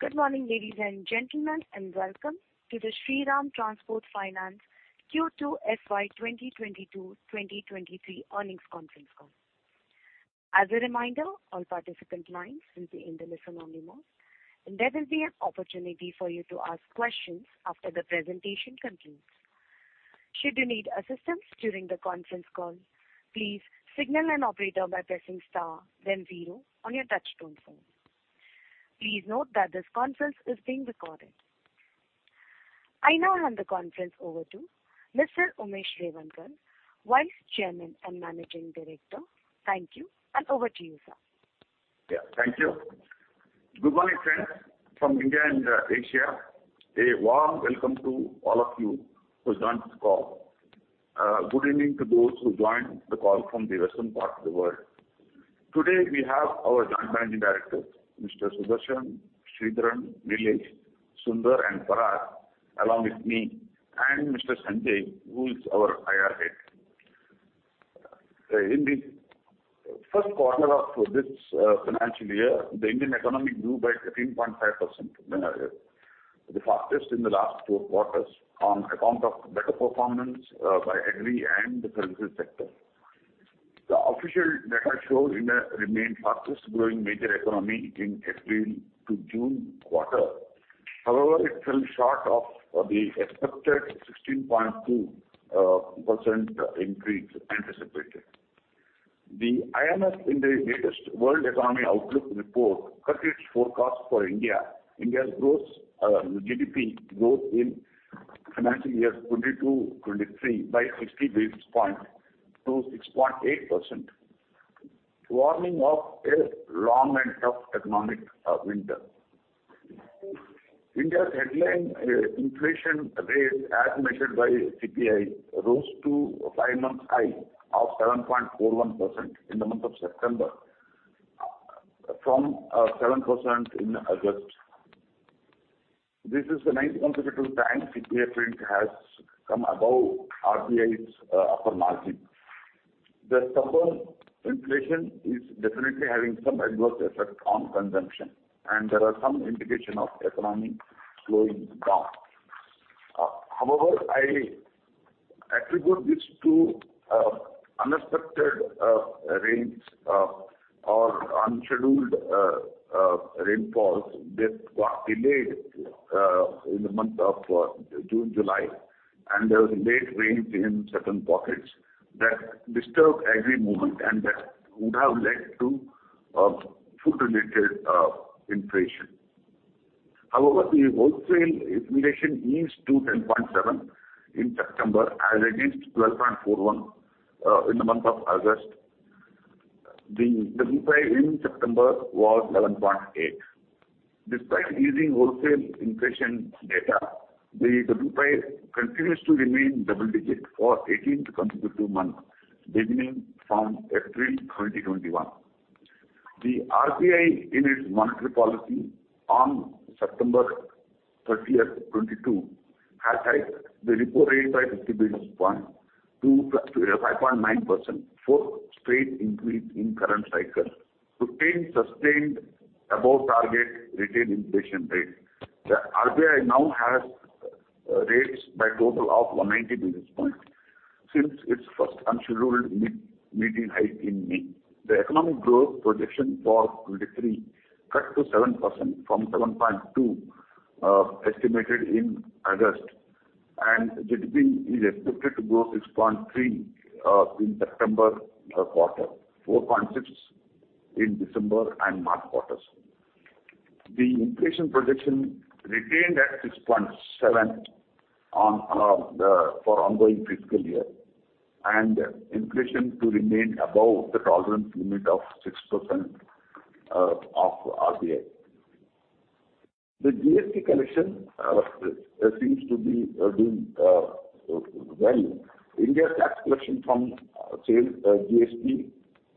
Good morning, ladies and gentlemen, and welcome to the Shriram Transport Finance Q2 FY 2022/2023 earnings conference call. As a reminder, all participant lines will be in the listen-only mode, and there will be an opportunity for you to ask questions after the presentation concludes. Should you need assistance during the conference call, please signal an operator by pressing star then zero on your touchtone phone. Please note that this conference is being recorded. I now hand the conference over to Mr. Umesh Revankar, Vice Chairman and Managing Director. Thank you, and over to you, sir. Yeah, thank you. Good morning, friends from India and Asia. A warm welcome to all of you who's joined this call. Good evening to those who joined the call from the western part of the world. Today, we have our Joint Managing Directors, Mr. Sudarshan, Sridhar, Nilesh, Sunder, and Parag, along with me and Mr. Sanjay, who is our IR head. In the first quarter of this financial year, the Indian economy grew by 13.5%, the fastest in the last four quarters on account of better performance by agri and services sector. The official data show India remained fastest growing major economy in April to June quarter. However, it fell short of the expected 16.2% increase anticipated. The IMF, in the latest World Economy Outlook report, cut its forecast for India. India's gross GDP growth in financial year 2022/2023 by 60 basis point to 6.8%, warning of a long and tough economic winter. India's headline inflation rate, as measured by CPI, rose to a 5-month high of 7.41% in the month of September from 7% in August. This is the 9th consecutive time CPI print has come above RBI's upper margin. The stubborn inflation is definitely having some adverse effect on consumption, and there are some indication of economy slowing down. However, I attribute this to unexpected rains or unscheduled rainfalls that got delayed in the month of June, July, and there was late rains in certain pockets that disturbed agri movement, and that would have led to food-related inflation. However, the wholesale inflation eased to 10.7 in September as against 12.41 in the month of August. The WPI in September was 11.8. Despite easing wholesale inflation data, the WPI continues to remain double-digit for 18th consecutive month beginning from April 2021. The RBI in its monetary policy on September 30, 2022 has hiked the repo rate by 50 basis points to 5.9%, fourth straight increase in current cycle to tame sustained above-target retail inflation rate. The RBI now has raised by total of 190 basis points since its first unscheduled mid-meeting hike in May. The economic growth projection for 2023 cut to 7% from 7.2 estimated in August, and GDP is expected to grow 6.3 in September quarter, 4.6 in December and March quarters. The inflation projection retained at 6.7% for ongoing fiscal year, and inflation to remain above the tolerance limit of 6% of RBI. The GST collection seems to be doing well. India's tax collection from sales GST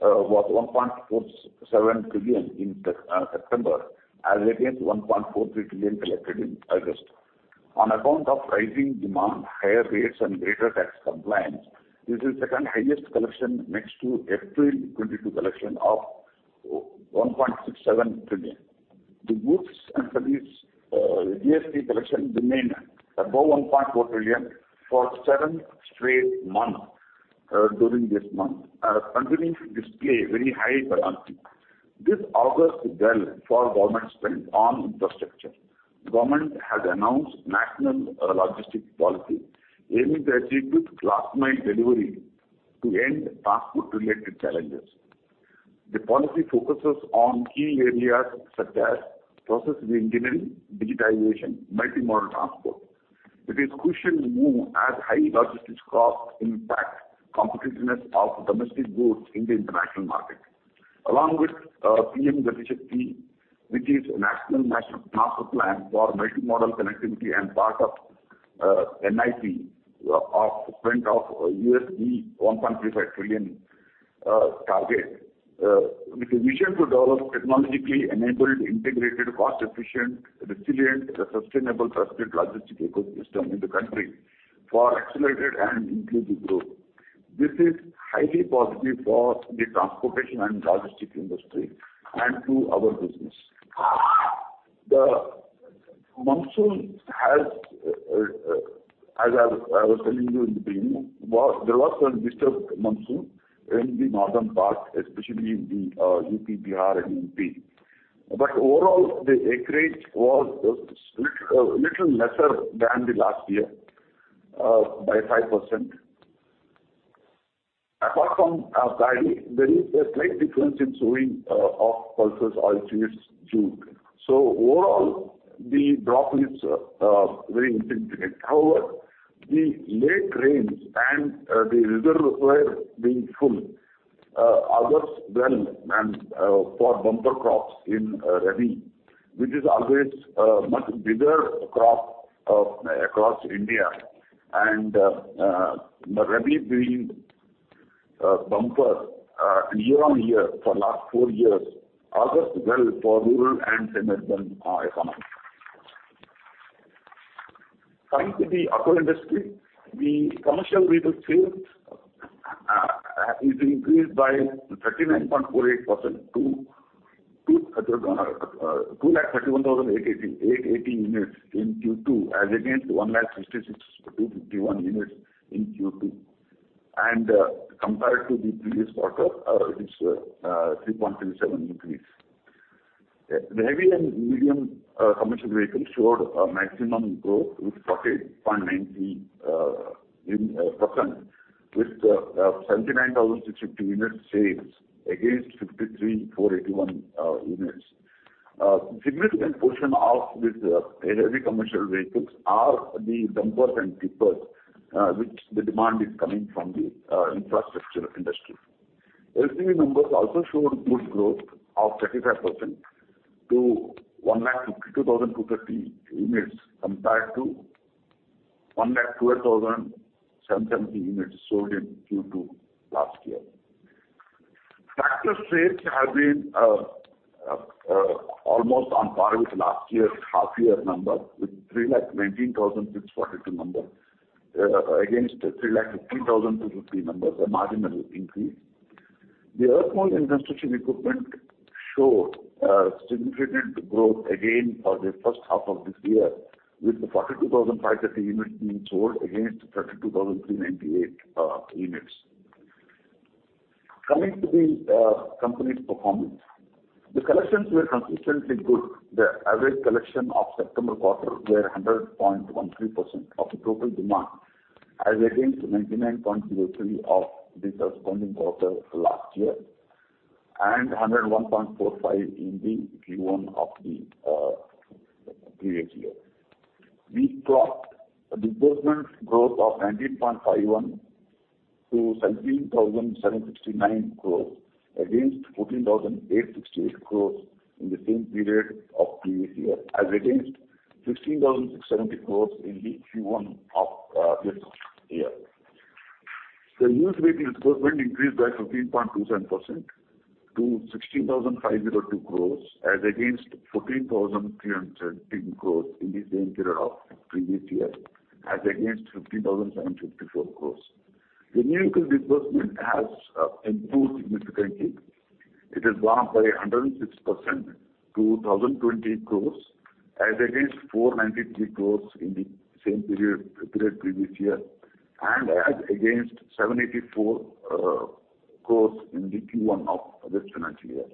was 1.47 trillion in September, as against 1.43 trillion collected in August. On account of rising demand, higher rates and greater tax compliance, this is second-highest collection next to April 2022 collection of 1.67 trillion. The goods and services GST collection remained above 1.4 trillion for seven straight months during this month, continuing to display very high buoyancy. This augurs well for government spend on infrastructure. Government has announced national logistic policy aiming to achieve last mile delivery to end transport-related challenges. The policy focuses on key areas such as process reengineering, digitization, multimodal transport. It is a crucial move as high logistics costs impact competitiveness of domestic goods in the international market. Along with PM GatiShakti, which is the national master plan for multimodal connectivity and part of NIP of spend of $1.35 trillion target. With a vision to develop technologically enabled, integrated, cost-efficient, resilient, sustainable, trusted logistics ecosystem in the country for accelerated and inclusive growth. This is highly positive for the transportation and logistics industry and to our business. As I was telling you in the beginning, there was a disturbed monsoon in the northern part, especially in the UP, Bihar and MP. Overall, the acreage was a little lesser than the last year by 5%. Apart from dairy, there is a slight difference in sowing of pulses, oilseeds too. Overall, the deviations are very insignificant. However, the late rains and the reservoirs being full augurs well for bumper crops in rabi, which is always much bigger crop across India and rabi being bumper year-on-year for last four years augurs well for rural, cement, and economy. Coming to the auto industry, the commercial vehicle sales has increased by 39.48% to 2,31,880 units in Q2 as against 1,66,251 units in Q2. Compared to the previous quarter, it is 3.37% increase. The heavy and medium commercial vehicles showed a maximum growth with 40.90% with 79,650 units sales against 63,481 units. Significant portion of these heavy commercial vehicles are the dumpers and tippers, which the demand is coming from the infrastructure industry. LCV numbers also showed good growth of 35% to 152,230 units, compared to 112,770 units sold in Q2 last year. Tractor sales have been almost on par with last year's half year number with 319,642 number against 315,250 number, a marginal increase. The earthmoving and construction equipment showed significant growth again for the first half of this year, with 42,530 units being sold against 32,398 units. Coming to the company's performance. The collections were consistently good. The average collection of September quarter were 100.13% of the total demand as against 99.03% of the corresponding quarter last year and 101.45% in the Q1 of the previous year. We clocked a disbursement growth of 19.51% to 17,769 crores against 14,868 crores in the same period of previous year as against 16,670 crores in the Q1 of this year. The used vehicle disbursement increased by 15.27% to 16,502 crores as against 14,310 crores in the same period of previous year as against 15,754 crores. The new vehicle disbursement has improved significantly. It has gone up by 106% to 1,020 crores as against 493 crores in the same period previous year and as against 784 crores in the Q1 of this financial year.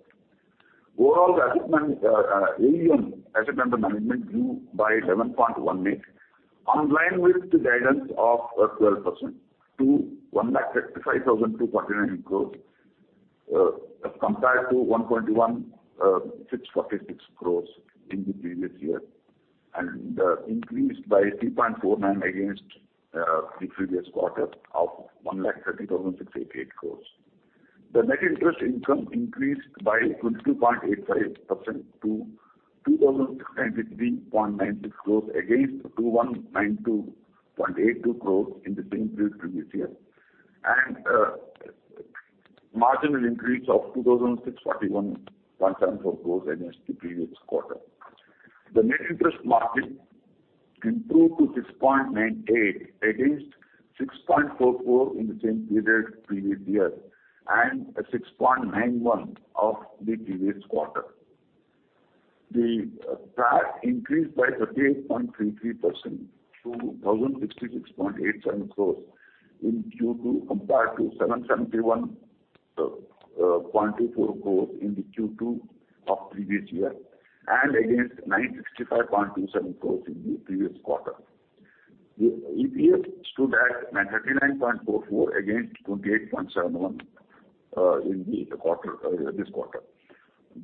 Overall AUM, Assets Under Management, grew by 11.18%, in line with the guidance of 12% to 1,65,249 crore, as compared to 1,21,646 crore in the previous year and increased by 3.49% against the previous quarter of 1,30,688 crore. The net interest income increased by 22.85% to 2,653.96 crore against 2,192.82 crore in the same period previous year and marginal increase of 2,641.74 crore against the previous quarter. The net interest margin improved to 6.98% against 6.44% in the same period previous year and 6.91% of the previous quarter. The PAT increased by 13.33% to 1,066.87 crore in Q2 compared to 771.24 crore in the Q2 of previous year and against 965.27 crore in the previous quarter. The EPS stood at 93.94 against 28.71 in the quarter, this quarter.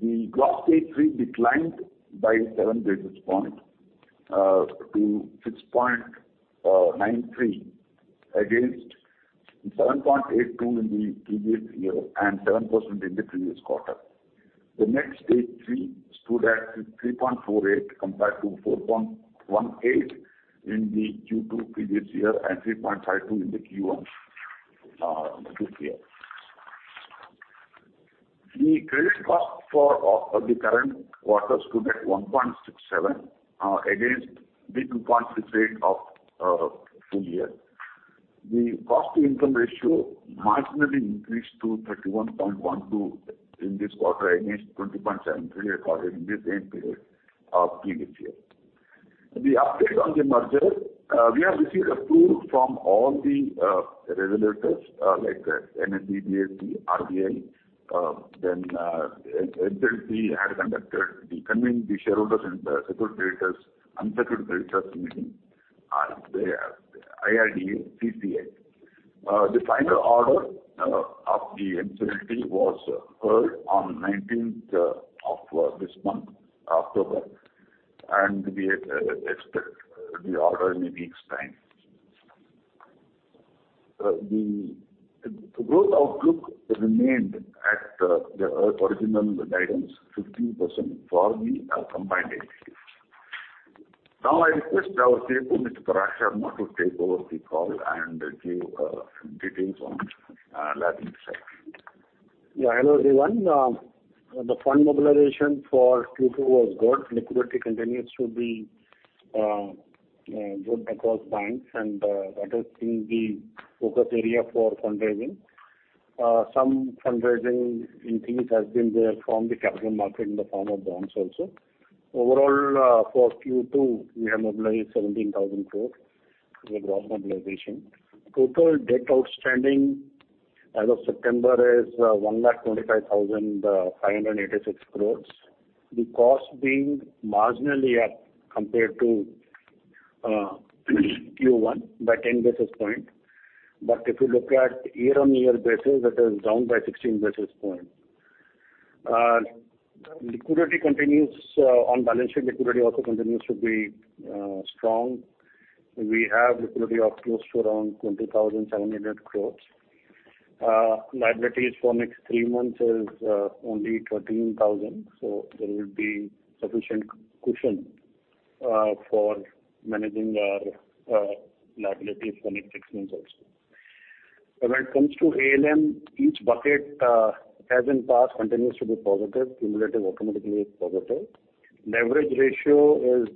The gross NPA declined by 7 basis points to 6.93 against 7.82 in the previous year and 7% in the previous quarter. The net NPA stood at 3.48 compared to 4.18 in the Q2 previous year and 3.52 in the Q1, this year. The credit cost for the current quarter stood at 1.67% against 3.68% of full year. The cost-to-income ratio marginally increased to 31.12% in this quarter against 20.73% recorded in the same period of previous year. The update on the merger, we have received approval from all the regulators like NBFC, RBI. Then NCLT had convened the shareholders and the secured creditors, unsecured creditors meeting, the IRDA, CCI. The final order of the NCLT was heard on 19th of this month, October. We expect the order in a week's time. The growth outlook remained at the original guidance, 15% for the combined entity. Now I request our CFO, Mr. Parag Sharma, now to take over the call and give details on liability side. Hello, everyone. The fund mobilization for Q2 was good. Liquidity continues to be good across banks and that has been the focus area for fundraising. Some fundraising increase has been there from the capital market in the form of bonds also. Overall, for Q2, we have mobilized 17,000 crore as overall mobilization. Total debt outstanding as of September is 1,25,586 crore. The cost being marginally up compared to Q1 by 10 basis point. If you look at year-on-year basis, that is down by 16 basis point. Liquidity continues. On balance sheet liquidity also continues to be strong. We have liquidity of close to around 20,700 crore. Liabilities for next three months is only 13,000, so there will be sufficient cushion for managing our liabilities for next six months also. When it comes to ALM, each bucket as in past continues to be positive, cumulative automatically is positive. Leverage ratio is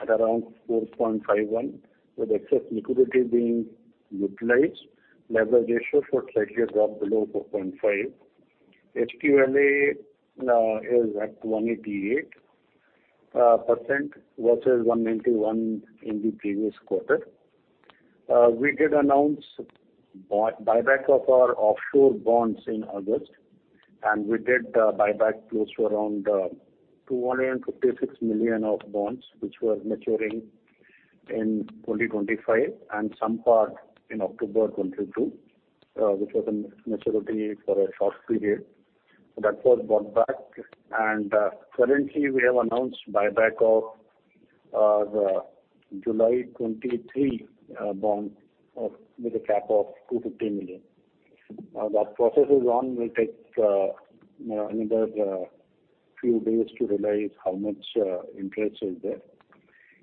at around 4.51 with excess liquidity being utilized. Leverage ratio should slightly drop below 4.5. HQLA is at 188% versus 191% in the previous quarter. We did announce buyback of our offshore bonds in August, and we did buyback close to around $256 million of bonds, which were maturing in 2025 and some part in October 2022, which was a maturity for a short period. That was bought back. Currently, we have announced buyback of the July 2023 bond with a cap of 250 million. That process is on. We'll take another few days to realize how much interest is there.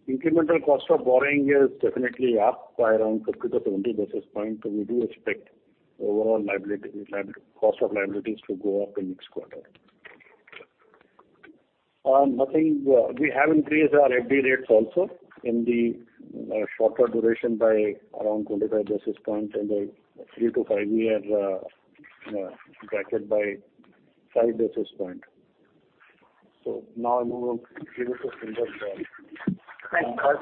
Incremental cost of borrowing is definitely up by around 50-70 basis points. We do expect overall cost of liabilities to go up in next quarter. Nothing. We have increased our FD rates also in the shorter duration by around 25 basis points and a 3-5-year, you know, bracket by 5 basis points. Now I move on, give it to Sridhar now. Thanks, Raj.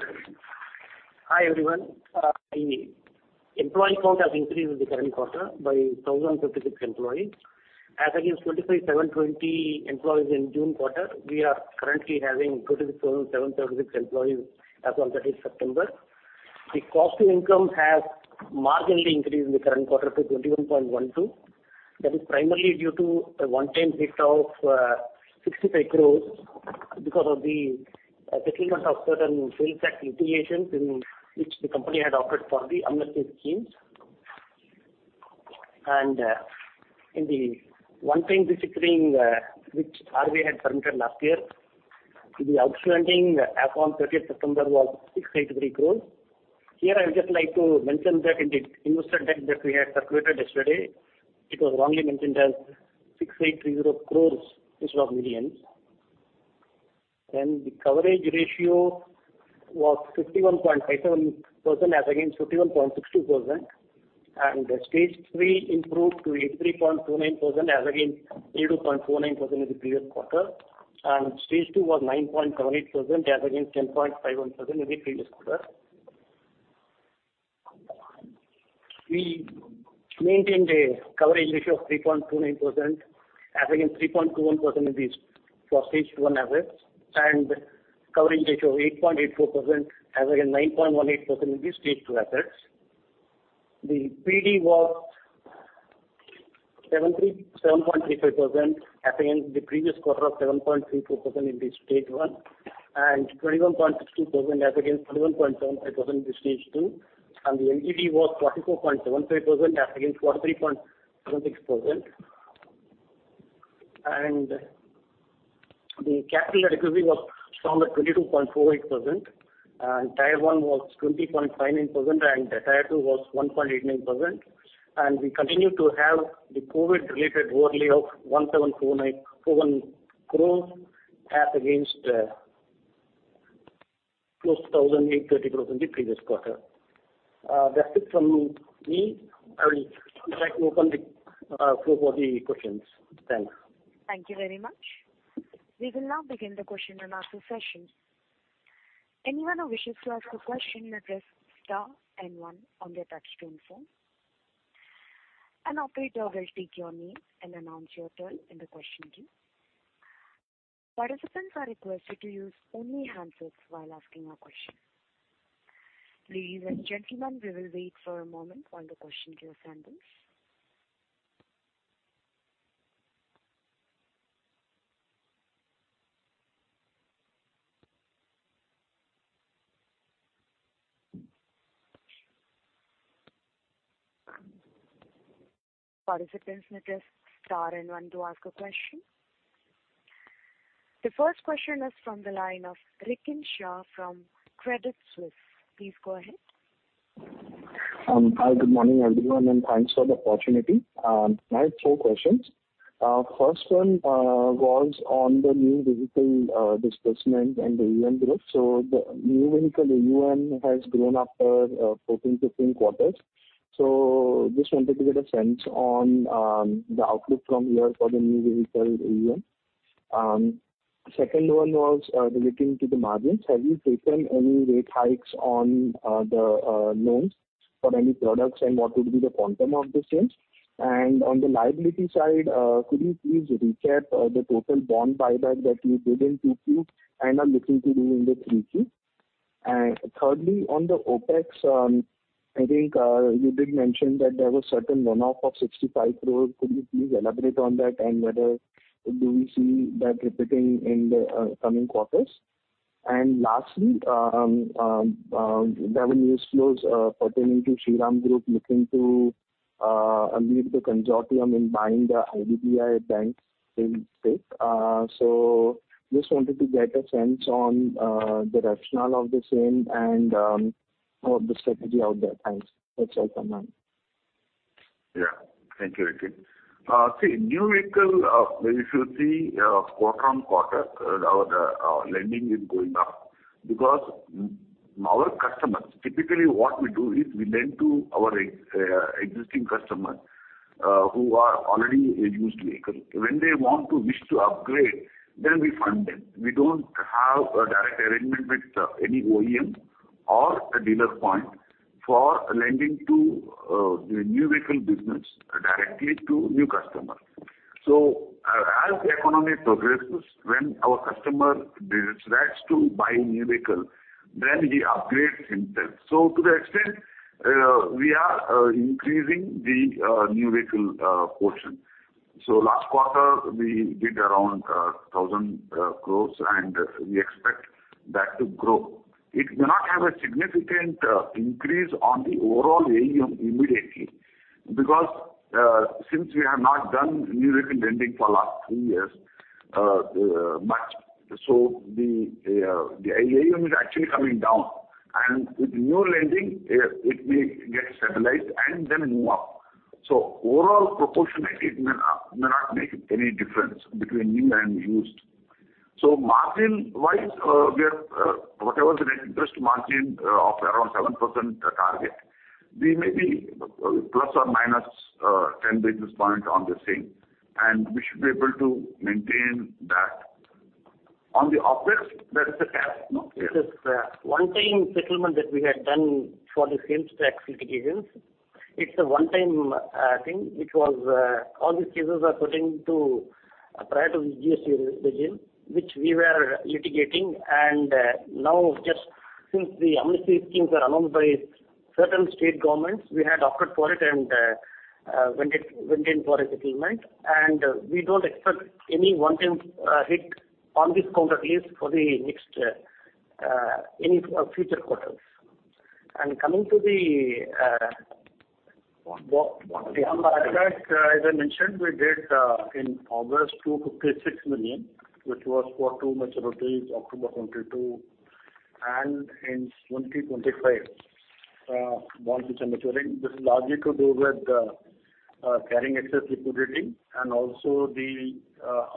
Hi, everyone. The employee count has increased in the current quarter by 1,056 employees. As against 25,720 employees in June quarter, we are currently having 27,736 employees as on thirtieth September. The cost to income has marginally increased in the current quarter to 21.12%. That is primarily due to a one-time hit of 65 crore because of the settlement of certain sales tax litigations in which the company had opted for the amnesty schemes. In the one-time provisioning, which RBI had permitted last year, the outstanding as on thirtieth September was 683 crore. Here, I would just like to mention that in the investor deck that we had circulated yesterday, it was wrongly mentioned as 6,830 crore instead of millions. The coverage ratio was 51.57% as against 51.62%. Stage three improved to 83.29% as against 82.49% in the previous quarter. Stage two was 9.78% as against 10.51% in the previous quarter. We maintained a coverage ratio of 3.29% as against 3.21% for stage one assets and coverage ratio of 8.84% as against 9.18% in the stage two assets. The PD was 77.35% as against 77.32% in the previous quarter in the stage one and 21.62% as against 21.75% in the stage two, and the LGD was 44.75% as against 43.76%. The capital adequacy was strong at 22.48%, and Tier 1 was 20.59%, and Tier 2 was 1.89%. We continue to have the COVID related overlay of 1,749.41 crores as against close to 830 crores in the previous quarter. That's it from me. I will try to open the floor for the questions. Thanks. Thank you very much. We will now begin the question and answer session. Anyone who wishes to ask a question may press star and one on their touchtone phone. An operator will take your name and announce your turn in the question queue. Participants are requested to use only handsets while asking a question. Ladies and gentlemen, we will wait for a moment while the question queue assembles. Participants may press star and one to ask a question. The first question is from the line of Rikin Shah from Credit Suisse. Please go ahead. Hi. Good morning, everyone, and thanks for the opportunity. I have four questions. First one was on the new vehicle disbursement and the AUM growth. The new vehicle AUM has grown after 14-15 quarters. Just wanted to get a sense on the outlook from here for the new vehicle AUM. Second one was relating to the margins. Have you taken any rate hikes on the loans for any products, and what would be the quantum of the same? And on the liability side, could you please recap the total bond buyback that you did in 2Q and are looking to do in 3Q? And thirdly, on the OpEx, I think you did mention that there was certain one-off of 65 crores. Could you please elaborate on that and whether do we see that repeating in the coming quarters? Lastly, there have been news flows pertaining to Shriram Group looking to lead the consortium in buying a stake in IDBI Bank. Just wanted to get a sense on the rationale of the same and the strategy out there. Thanks. That's all from my end. Yeah. Thank you, Rikin. See, new vehicle, if you see, quarter-on-quarter, our lending is going up because our customers, typically what we do is we lend to our existing customers, who are already used to vehicle. When they want to wish to upgrade, then we fund them. We don't have a direct arrangement with any OEM or a dealer point for lending to the new vehicle business directly to new customers. As the economy progresses, when our customer decides to buy a new vehicle, then he upgrades himself. To that extent, we are increasing the new vehicle portion. Last quarter, we did around 1,000 crore, and we expect that to grow. It may not have a significant increase on the overall AUM immediately because since we have not done new vehicle lending for last 3 years much, the AUM is actually coming down. With new lending, it may get stabilized and then move up. Overall proportionately, it may not make any difference between new and used. Margin-wise, we are whatever the net interest margin of around 7% target, we may be plus or minus 10 basis points on the same, and we should be able to maintain that. On the OpEx, that is a cap, no? Yeah. It is a one-time settlement that we had done for the sales tax litigations. It's a one-time thing which was all these cases are pertaining to prior to GST regime, which we were litigating. Now just since the amnesty schemes were announced by certain state governments, we had opted for it and went in for a settlement. We don't expect any one-time hit on this count at least for the next any future quarters. Coming to the Bond buyback. Yeah, buyback, as I mentioned, we did in August, 256 million, which was for two maturities, October 2022 and 2025 bonds which are maturing. This is largely to do with carrying excess liquidity and also the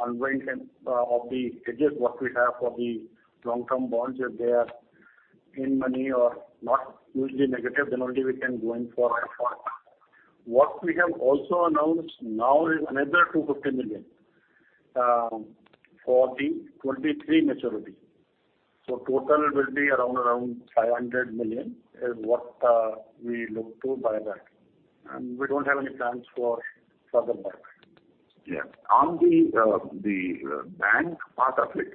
unwindment of the hedges what we have for the long-term bonds. If they are in the money or not hugely negative, then only we can go in for it. What we have also announced now is another 250 million for the 2023 maturity. So total will be around 500 million is what we look to buyback. We don't have any plans for further buyback. On the bank part of it,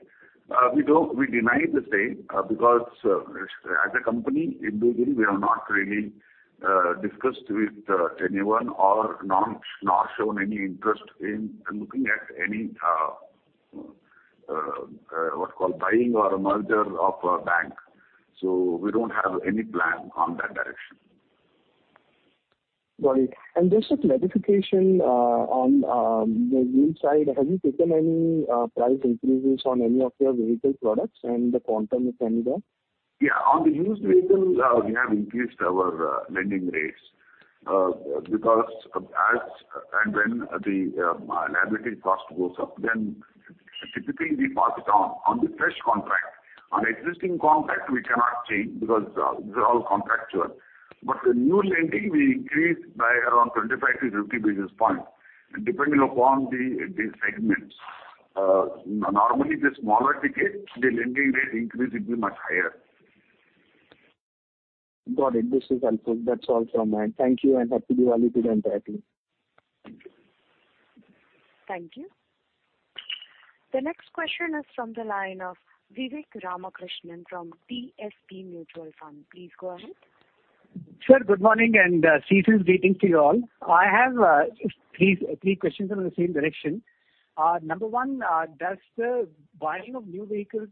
we deny the same, because as a company individually, we have not really discussed with anyone or not shown any interest in looking at any what you call buying or a merger of a bank. We don't have any plan on that direction. Got it. Just a clarification on the yield side. Have you taken any price increases on any of your vehicle products and the quantum, if any, there? Yeah. On the used vehicles, we have increased our lending rates, because as and when the liability cost goes up, then typically we pass it on the fresh contract. On existing contract, we cannot change because these are all contractual. The new lending we increased by around 25-50 basis points, depending upon the segments. Normally the smaller ticket, the lending rate increase will be much higher. Got it. This is helpful. That's all from me. Thank you, and happy Diwali to the entire team. Thank you. Thank you. The next question is from the line of Vivek Ramakrishnan from DSP Mutual Fund. Please go ahead. Sir, good morning, and season's greetings to you all. I have three questions in the same direction. Number one, does the buying of new vehicles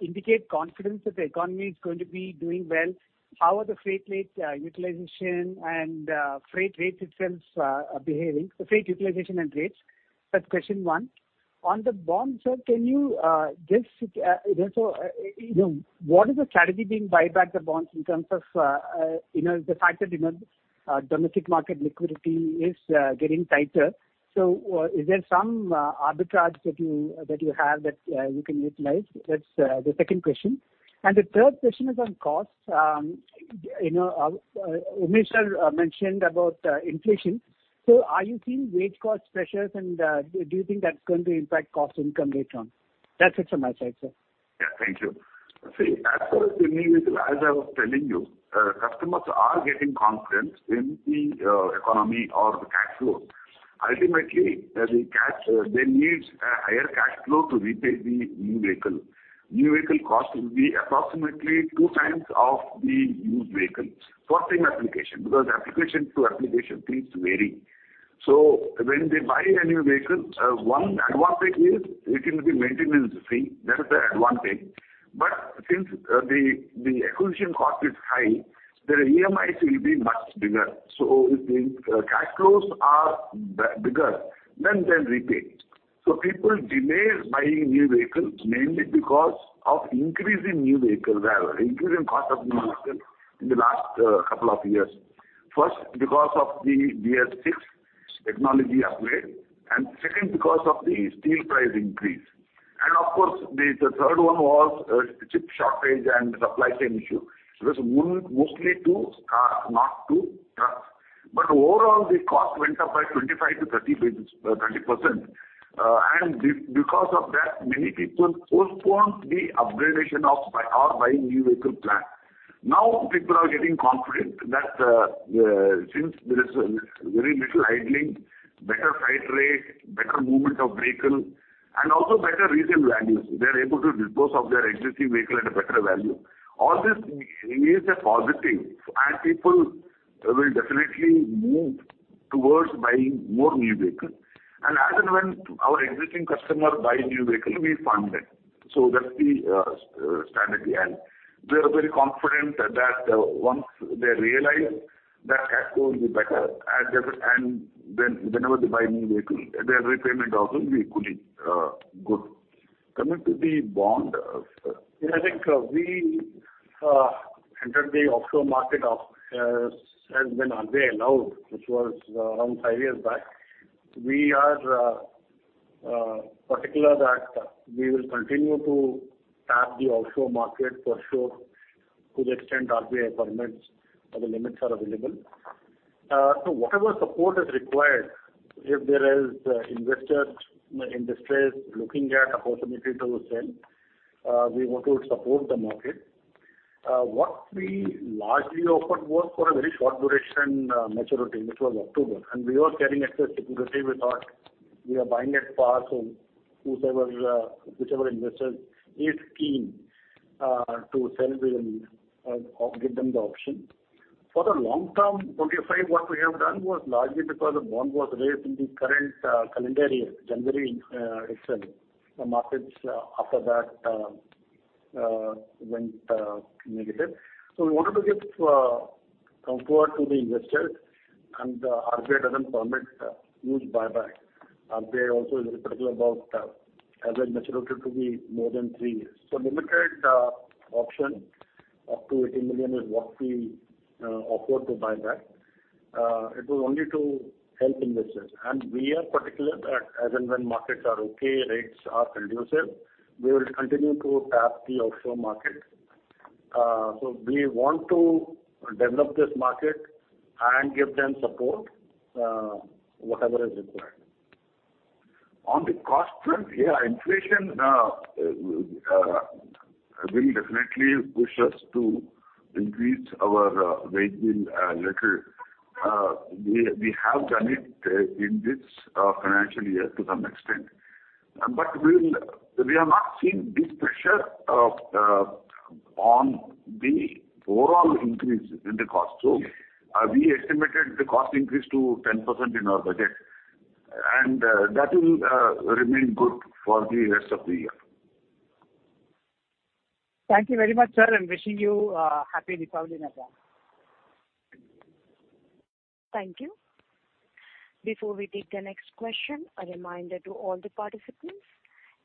indicate confidence that the economy is going to be doing well? How are the freight rates, utilization and freight rates itself behaving? The freight utilization and rates. That's question one. On the bond, sir, can you just you know so you know what is the strategy behind the buyback of the bonds in terms of you know the fact that you know domestic market liquidity is getting tighter. Is there some arbitrage that you have that you can utilize? That's the second question. The third question is on costs. You know, Umesh, sir, mentioned about inflation. Are you seeing wage cost pressures and do you think that's going to impact cost income later on? That's it from my side, sir. Yeah. Thank you. See, as far as the new vehicle, as I was telling you, customers are getting confidence in the economy or the cash flow. Ultimately, they need a higher cash flow to repay the new vehicle. New vehicle cost will be approximately 2 times of the used vehicle for same application, because application to application fees vary. When they buy a new vehicle, one advantage is it will be maintenance free. That is the advantage. Since the acquisition cost is high, their EMIs will be much bigger. If the cash flows are bigger, then they'll repay. People delay buying new vehicles mainly because of increase in new vehicle value, increase in cost of new vehicle in the last couple of years. First, because of the BS6 technology upgrade, and second because of the steel price increase. Of course, the third one was chip shortage and supply chain issue. It was mostly to car, not to trucks. But overall, the cost went up by 25-30 basis, 30%. Because of that, many people postponed the upgradation of buy or buying new vehicle plan. Now, people are getting confident that since there is very little idling, better freight rate, better movement of vehicle, and also better resale values, they are able to dispose of their existing vehicle at a better value. All this is a positive, and people will definitely move towards buying more new vehicles. As and when our existing customer buy new vehicle, we fund it. So that's the standard here. We are very confident that once they realize that cash flow will be better and whenever they buy new vehicle, their repayment also will be equally good. Coming to the bond, Yeah, I think we entered the offshore market since when RBI allowed, which was around five years back. We are particular that we will continue to tap the offshore market for sure to the extent RBI permits or the limits are available. Whatever support is required, if there is investors in distress looking at opportunity to sell, we want to support the market. What we largely offered was for a very short duration maturity, which was October, and we were carrying excess liquidity. We thought we are buying it fast, so whosoever, whichever investor is keen to sell, we will give them the option. For the long-term, 25, what we have done was largely because the bond was raised in the current calendar year, January, et cetera. The markets, after that, went negative. We wanted to give comfort to the investors, and the RBI doesn't permit huge buyback. RBI also is particular about average maturity to be more than three years. Limited option up to 80 million is what we offered to buyback. It was only to help investors. We are particular that as and when markets are okay, rates are conducive, we will continue to tap the offshore market. We want to develop this market and give them support, whatever is required. On the cost front, inflation will definitely push us to increase our rate bill a little. We have done it in this financial year to some extent. We have not seen big pressure on the overall increase in the cost. We estimated the cost increase to 10% in our budget, and that will remain good for the rest of the year. Thank you very much, sir, and wishing you a happy Republic Day. Thank you. Before we take the next question, a reminder to all the participants.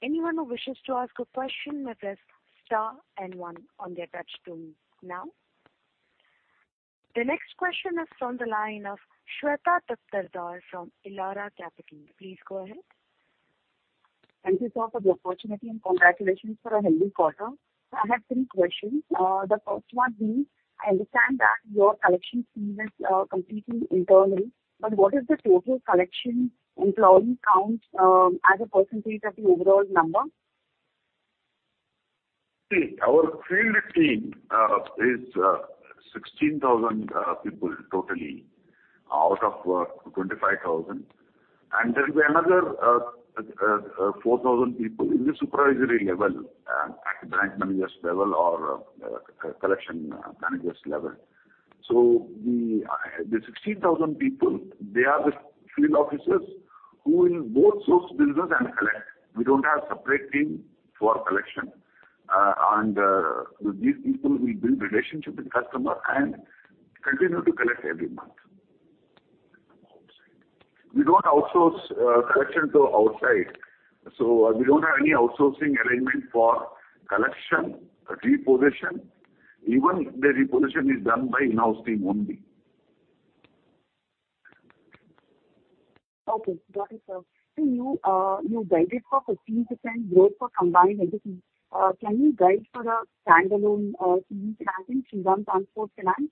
Anyone who wishes to ask a question may press star and one on their touchtone now. The next question is from the line of Shweta Daptardar from Elara Capital. Please go ahead. Thank you, sir, for the opportunity, and congratulations for a healthy quarter. I have three questions. The first one being, I understand that your collection team is completely internal, but what is the total collection employee count as a percentage of the overall number? See, our field team is 16,000 people totally out of 4,000 people in the supervisory level at the branch managers level or collection managers level. The 16,000 people, they are the field officers who will both source business and collect. We don't have separate team for collection. These people will build relationship with customer and continue to collect every month. We don't outsource collection to outside. We don't have any outsourcing arrangement for collection, repossession. Even the repossession is done by in-house team only. Okay. Got it, sir. You guided for 15% growth for combined entities. Can you guide for the standalone CV finance and Shriram Transport Finance?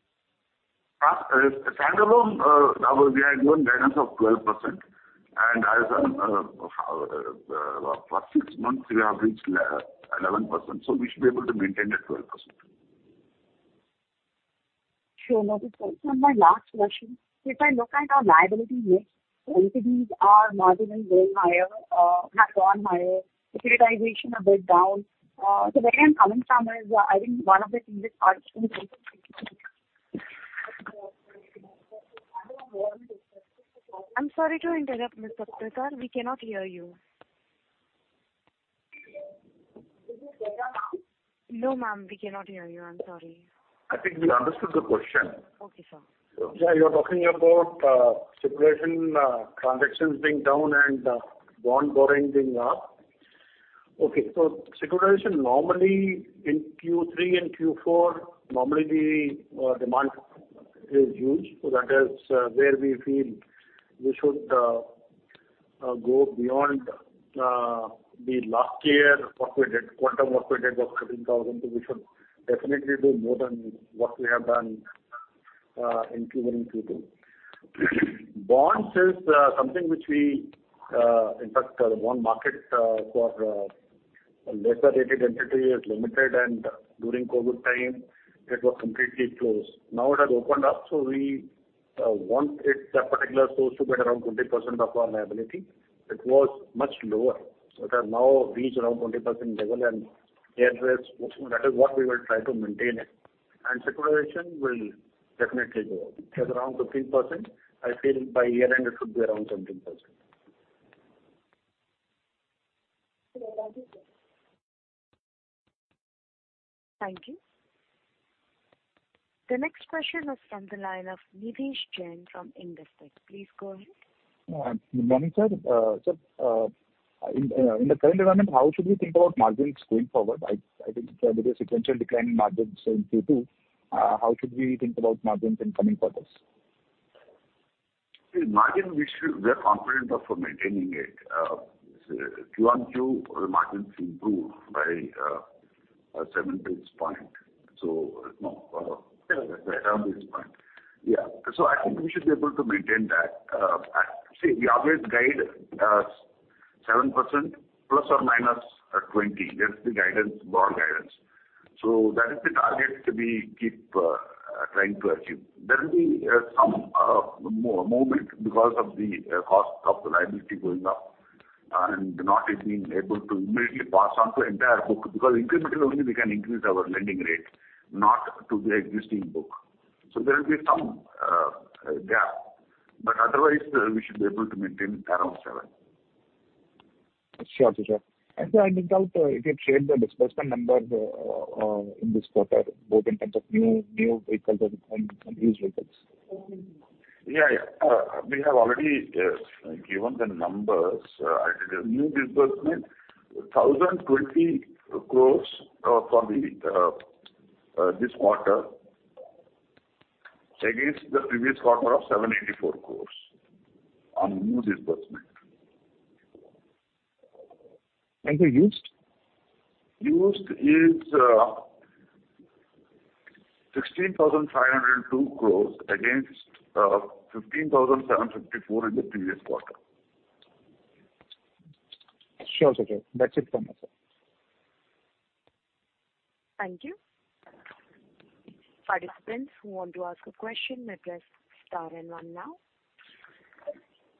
Standalone, we have given guidance of 12%. As for 6 months we have reached 11%, so we should be able to maintain that 12%. Sure. Got it, sir. My last question, if I look at your liability mix, NCDs are marginally have gone higher, securitization a bit down. Where is it coming from, I think one of the things which are I'm sorry to interrupt, Ms. Daptardar. We cannot hear you. Is it better now? No, ma'am, we cannot hear you. I'm sorry. I think we understood the question. Okay, sir. Yeah, you're talking about securitization transactions being down and bond borrowing being up. Okay. Securitization normally in Q3 and Q4, normally the demand is huge. That is where we feel we should go beyond the last year what we did. Quantum what we did was 13,000. We should definitely do more than what we have done in Q1 and Q2. Bonds is something which we, in fact, the bond market for lesser rated entity is limited, and during COVID time it was completely closed. Now it has opened up, so we want it, that particular source to be around 20% of our liability. It was much lower. It has now reached around 20% level, and that is what we will try to maintain it. Securitization will definitely go up. It is around 15%. I feel by year-end it should be around 17%. Sure. Got you, sir. Thank you. The next question is from the line of Nidhesh Jain from Investec. Please go ahead. Good morning, sir. In the current environment, how should we think about margins going forward? I think there is sequential decline in margins in Q2. How should we think about margins in coming quarters? Margins we should, we are confident of maintaining it. Q-on-Q margins improved by 7 basis points. I think we should be able to maintain that. See, we always guide 7% ±20. That's the guidance, broad guidance. That is the target we keep trying to achieve. There will be some movement because of the cost of the liability going up and not being able to immediately pass on to entire book because incrementally only we can increase our lending rate, not to the existing book. There will be some gap. Otherwise, we should be able to maintain around 7%. Sure, sure. Sir, I think if you can share the disbursement number in this quarter, both in terms of new vehicles and used vehicles. We have already given the numbers. New disbursement, 1,020 crores for this quarter against the previous quarter of 784 crores on new disbursement. Used? AUM is 16,502 crore against 15,754 crore in the previous quarter. Sure, sure. That's it from us. Thank you. Participants who want to ask a question may press star and one now.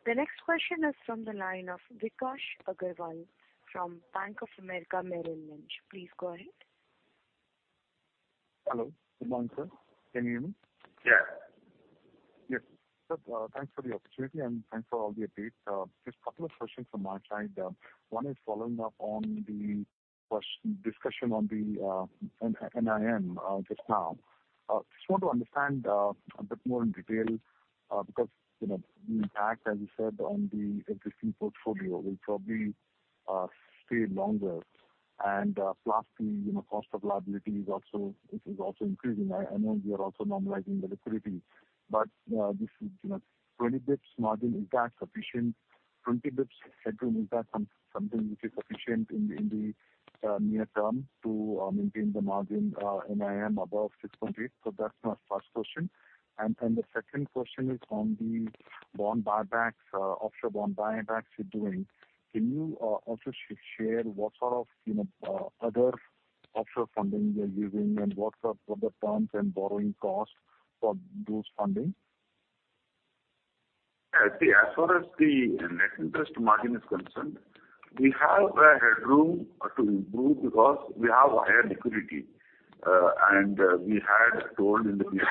The next question is from the line of Vikas Agarwal from Bank of America Merrill Lynch. Please go ahead. Hello. Good morning, sir. Can you hear me? Yeah. Yes. Sir, thanks for the opportunity, and thanks for all the updates. Just a couple of questions from my side. One is following up on the recent discussion on the NIM just now. Just want to understand a bit more in detail because you know the impact as you said on the existing portfolio will probably stay longer. Plus the you know cost of liability is also increasing. I know you're also normalizing the liquidity. This is you know 20 bps margin impact sufficient, 20 bps headroom impact something which is sufficient in the near term to maintain the margin NIM above 6.8%. That's my first question. The second question is on the bond buybacks, offshore bond buybacks you're doing. Can you also share what sort of, you know, other offshore funding you're using and what are the terms and borrowing costs for those funding? As far as the net interest margin is concerned, we have a headroom to improve because we have higher liquidity. We had told in the previous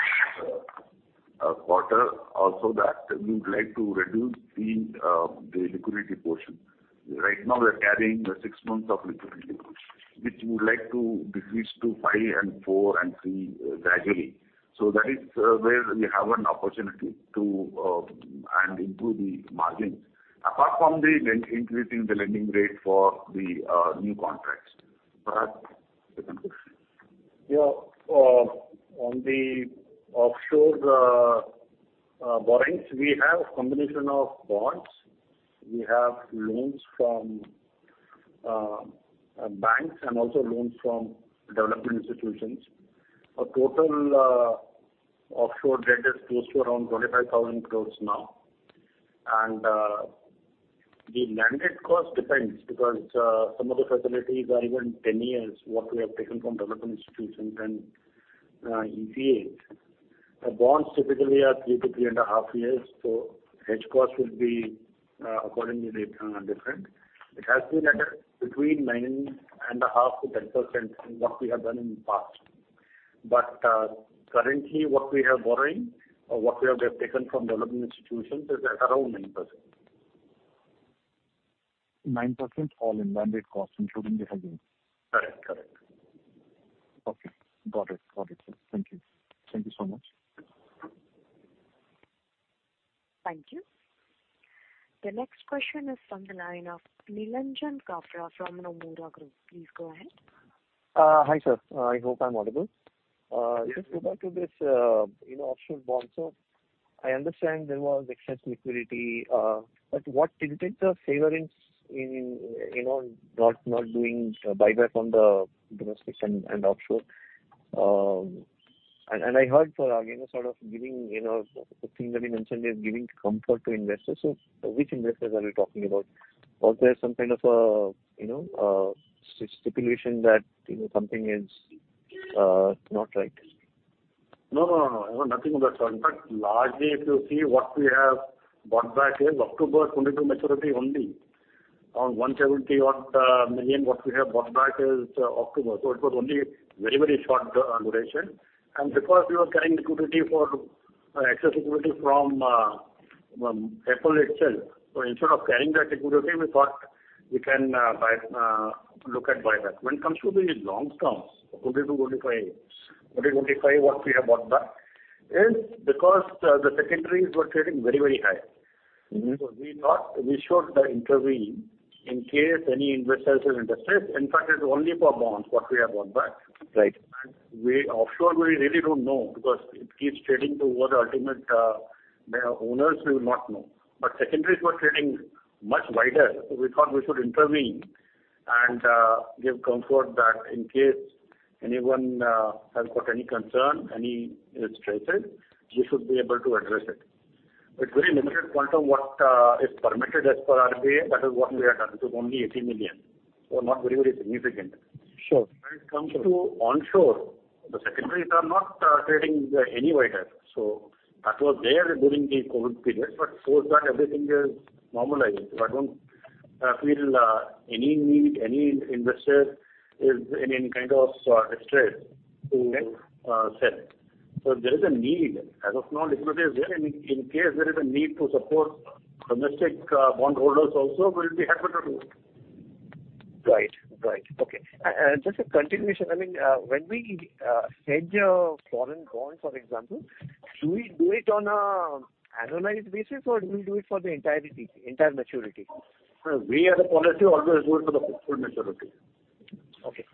quarter also that we would like to reduce the liquidity portion. Right now we're carrying 6 months of liquidity, which we would like to decrease to 5 and 4 and 3 gradually. That is where we have an opportunity to improve the margins. Apart from increasing the lending rate for the new contracts. Parag, second question. Yeah. On the offshore borrowings, we have combination of bonds. We have loans from banks and also loans from development institutions. Our total offshore debt is close to around 25,000 crore now. The landed cost depends because some of the facilities are even 10 years, what we have taken from development institutions and ECA. Our bonds typically are 3-3.5 years, so hedge costs will be accordingly they different. It has been at a between 9.5%-10% in what we have done in the past. Currently, what we are borrowing or what we have taken from development institutions is at around 9%. 9% all-in landed cost, including the hedging? Correct. Correct. Okay. Got it, sir. Thank you. Thank you so much. Thank you. The next question is from the line of Nilanjan Karfa from Nomura Group. Please go ahead. Hi, sir. I hope I'm audible. Yes. Just go back to this, you know, offshore bonds. I understand there was excess liquidity, but what tilted the favor in, you know, not doing buyback on the domestic and offshore? I heard, again, a sort of giving, you know, the thing that you mentioned is giving comfort to investors. Which investors are we talking about? Was there some kind of a stipulation that, you know, something is not right? No, no. Nothing of that sort. Largely, if you see what we have bought back is October 2022 maturity only. On 170-odd million what we have bought back is October. It was only very, very short duration. Because we were carrying liquidity for excess liquidity from April itself, instead of carrying that liquidity, we thought we can look at buyback. When it comes to the long term, October to 2025, October 2025 what we have bought back is because the secondaries were trading very, very high. Mm-hmm. We thought we should intervene in case any investors are in distress. In fact, it's only for bonds what we have bought back. Right. Offshore, we really don't know because it keeps trading to who are the ultimate, the owners, we will not know. Secondaries were trading much wider, so we thought we should intervene and give comfort that in case anyone has got any concern, any, you know, stresses, we should be able to address it. It's very limited quantum what is permitted as per RBI. That is what we have done. It was only 80 million, so not very, very significant. Sure. When it comes to onshore, the secondaries are not trading any wider. That was there during the COVID period. Post that everything is normalizing. I don't feel any need any investor is in any kind of stress to sell. If there is a need, as of now, liquidity is there. In case there is a need to support domestic bondholders also, we'll be happy to do it. Right. Okay. Just a continuation. I mean, when we hedge a foreign bond, for example, do we do it on a annualized basis, or do we do it for the entire maturity? No, we as a policy always do it for the full maturity. Okay.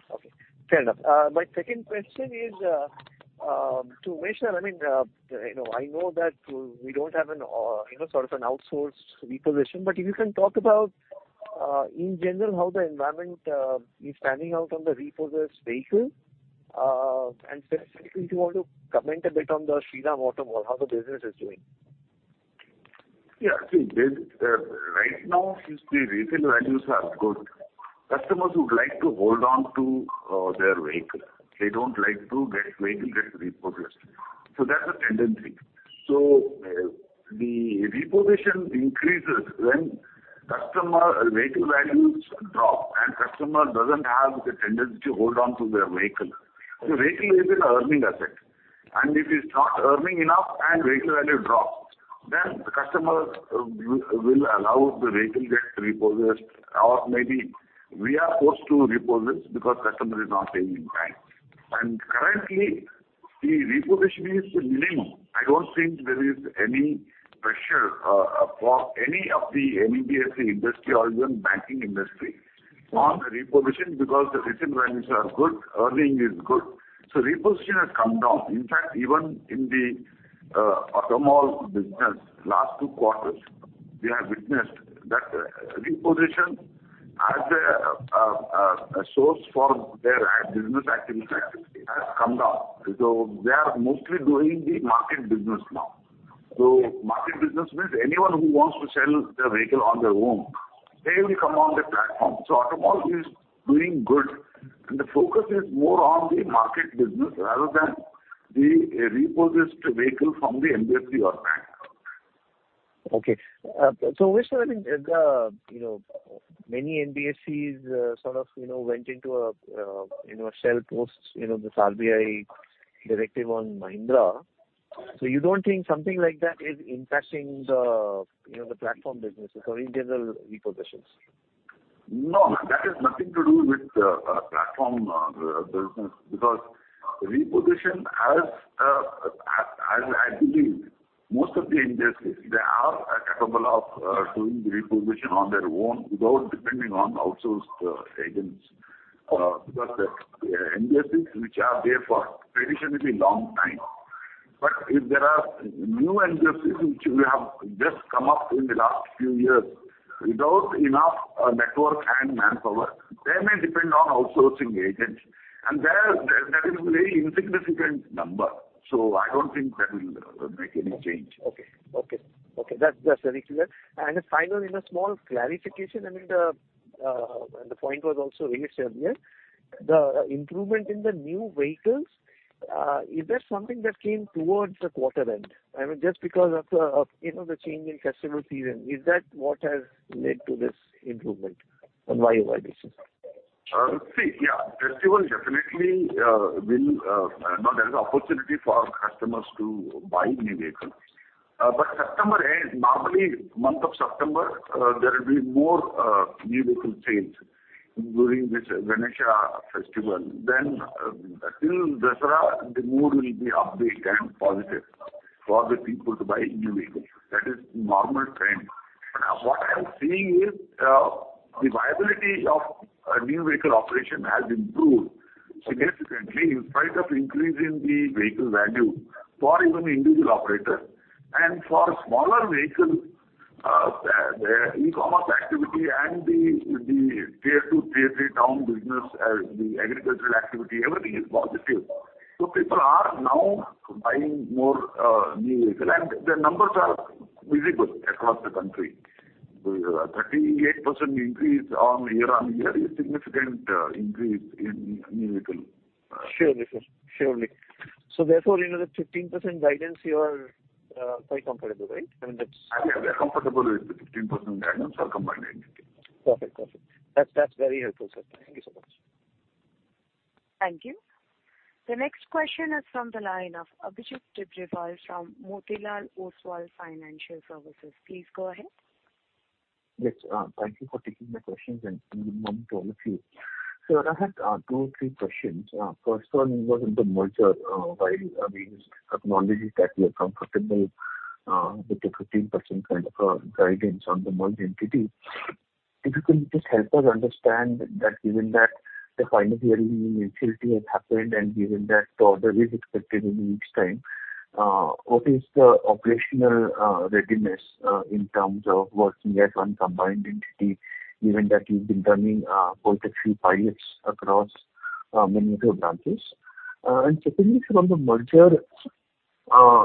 Fair enough. My second question is to Umesh Revankar. I mean, you know, I know that we don't have an, you know, sort of an outsourced repossession, but if you can talk about, in general how the environment is panning out on the repossessed vehicle. And specifically if you want to comment a bit on the Shriram Automall, how the business is doing. Yeah. See, this, right now, since the resale values are good, customers would like to hold on to their vehicle. They don't like to get their vehicle repossessed. That's a tendency. The repossession increases when customer vehicle values drop and customer doesn't have the tendency to hold on to their vehicle. The vehicle is an earning asset, and if it's not earning enough and vehicle value drops, then the customer will allow the vehicle get repossessed or maybe we are forced to repossess because customer is not paying in time. Currently, the repossession is minimum. I don't think there is any pressure for any of the NBFC industry or even banking industry on the repossession because the recent values are good, earning is good. Repossession has come down. In fact, even in the Automall business, last two quarters, we have witnessed that repossession as a source for their business activity has come down. They are mostly doing the market business now. Market business means anyone who wants to sell their vehicle on their own, they will come on the platform. Automall is doing good, and the focus is more on the market business rather than the repossessed vehicle from the NBFC or bank. Okay. Umesh, I mean, you know, many NBFCs sort of, you know, went into a sell-off post this RBI directive on Mahindra. You don't think something like that is impacting the, you know, the platform businesses or in general repossessions? No, that has nothing to do with the platform business because repossession has, as I believe, most of the NBFCs, they are capable of doing the repossession on their own without depending on outsourced agents. Because the NBFCs which are there for traditionally long time. If there are new NBFCs which we have just come up in the last few years without enough network and manpower, they may depend on outsourcing agents, and there, that is a very insignificant number, so I don't think that will make any change. Okay. That's very clear. Finally, just small clarification. I mean, the point was also raised earlier. The improvement in the new vehicles is that something that came towards the quarter end? I mean, just because of, you know, the change in customer season, is that what has led to this improvement? Why is this? See, yeah, festival definitely now there is opportunity for customers to buy new vehicle. September ends. Normally, month of September, there will be more new vehicle sales during this Ganesh Chaturthi. Till Dussehra, the mood will be upbeat and positive for the people to buy new vehicles. That is normal trend. What I am seeing is the viability of a new vehicle operation has improved significantly in spite of increase in the vehicle value for even individual operator. For smaller vehicles, the e-commerce activity and the tier two, tier three town business, the agricultural activity, everything is positive. People are now buying more new vehicle, and the numbers are visible across the country. 38% increase year-on-year is significant increase in new vehicle. Surely, sir. You know, the 15% guidance you are quite comfortable, right? I mean, that's. Yeah, we are comfortable with the 15% guidance for combined entity. Perfect. That's very helpful, sir. Thank you so much. Thank you. The next question is from the line of Abhijit Tibrewal from Motilal Oswal Financial Services. Please go ahead. Yes. Thank you for taking my questions and good morning to all of you. I have two or three questions. First one was on the merger. While we acknowledge that you are comfortable with the 15% kind of guidance on the merged entity, if you can just help us understand that given that the final hearing in NCLT has happened and given that the order is expected in each time, what is the operational readiness in terms of working as one combined entity, given that you've been running quite a few pilots across many of your branches? Secondly, sir, on the merger,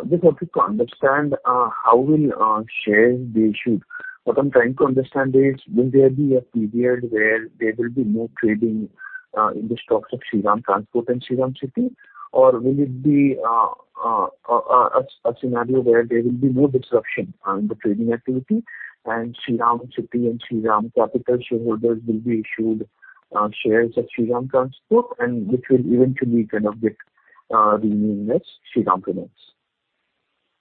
just wanted to understand how will shares be issued. What I'm trying to understand is, will there be a period where there will be no trading in the stocks of Shriram Transport and Shriram City? Or will it be a scenario where there will be no disruption on the trading activity and Shriram City and Shriram Capital shareholders will be issued shares of Shriram Transport and which will eventually kind of get renamed as Shriram Transport?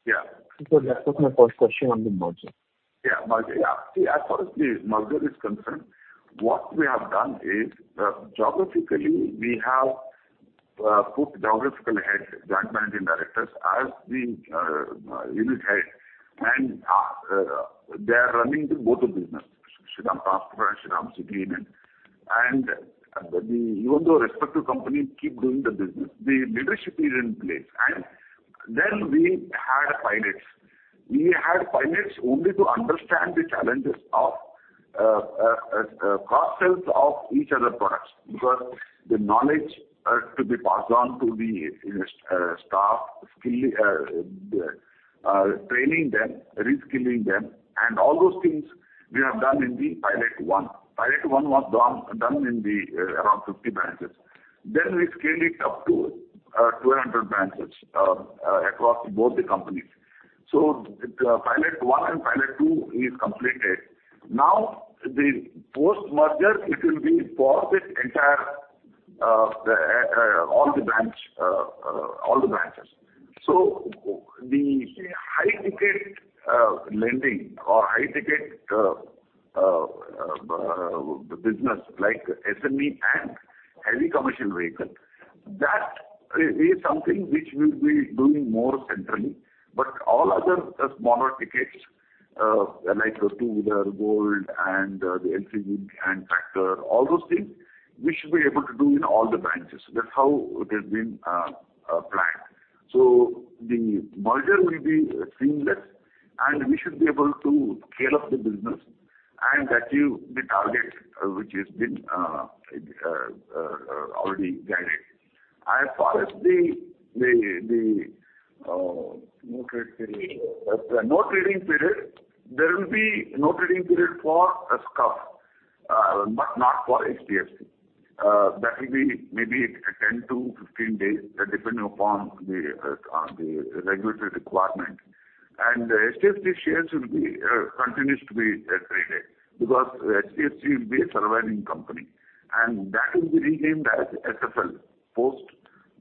Yeah. That was my first question on the merger. Yeah, merger. Yeah. See, as far as the merger is concerned, what we have done is, geographically, we have put geographical heads, Joint Managing Directors as the unit head. They are running both businesses, Shriram Transport and Shriram City Union. Even though respective companies keep doing the business, the leadership is in place. Then we had pilots. We had pilots only to understand the challenges of cross-sells of each other's products, because the knowledge has to be passed on to the staff, skilling them, training them, reskilling them, and all those things we have done in the pilot one. Pilot one was done in around 50 branches. Then we scale it up to 200 branches across both the companies. The pilot one and pilot two is completed. Now the post-merger, it will be for the entire, all the branches. The high-ticket lending or high-ticket business like SME and heavy commercial vehicle, that is something which we'll be doing more centrally. All other smaller tickets like those two-wheeler, gold and the LCV and tractor, all those things we should be able to do in all the branches. That's how it has been planned. The merger will be seamless, and we should be able to scale up the business and achieve the target which has been already guided. As far as the Note reading period. The note reading period. There will be note reading period for a SCUF, but not for STFC. That will be maybe 10-15 days, depending upon the regulatory requirement. STFC shares will be continues to be traded because STFC will be a surviving company, and that will be renamed as SFL post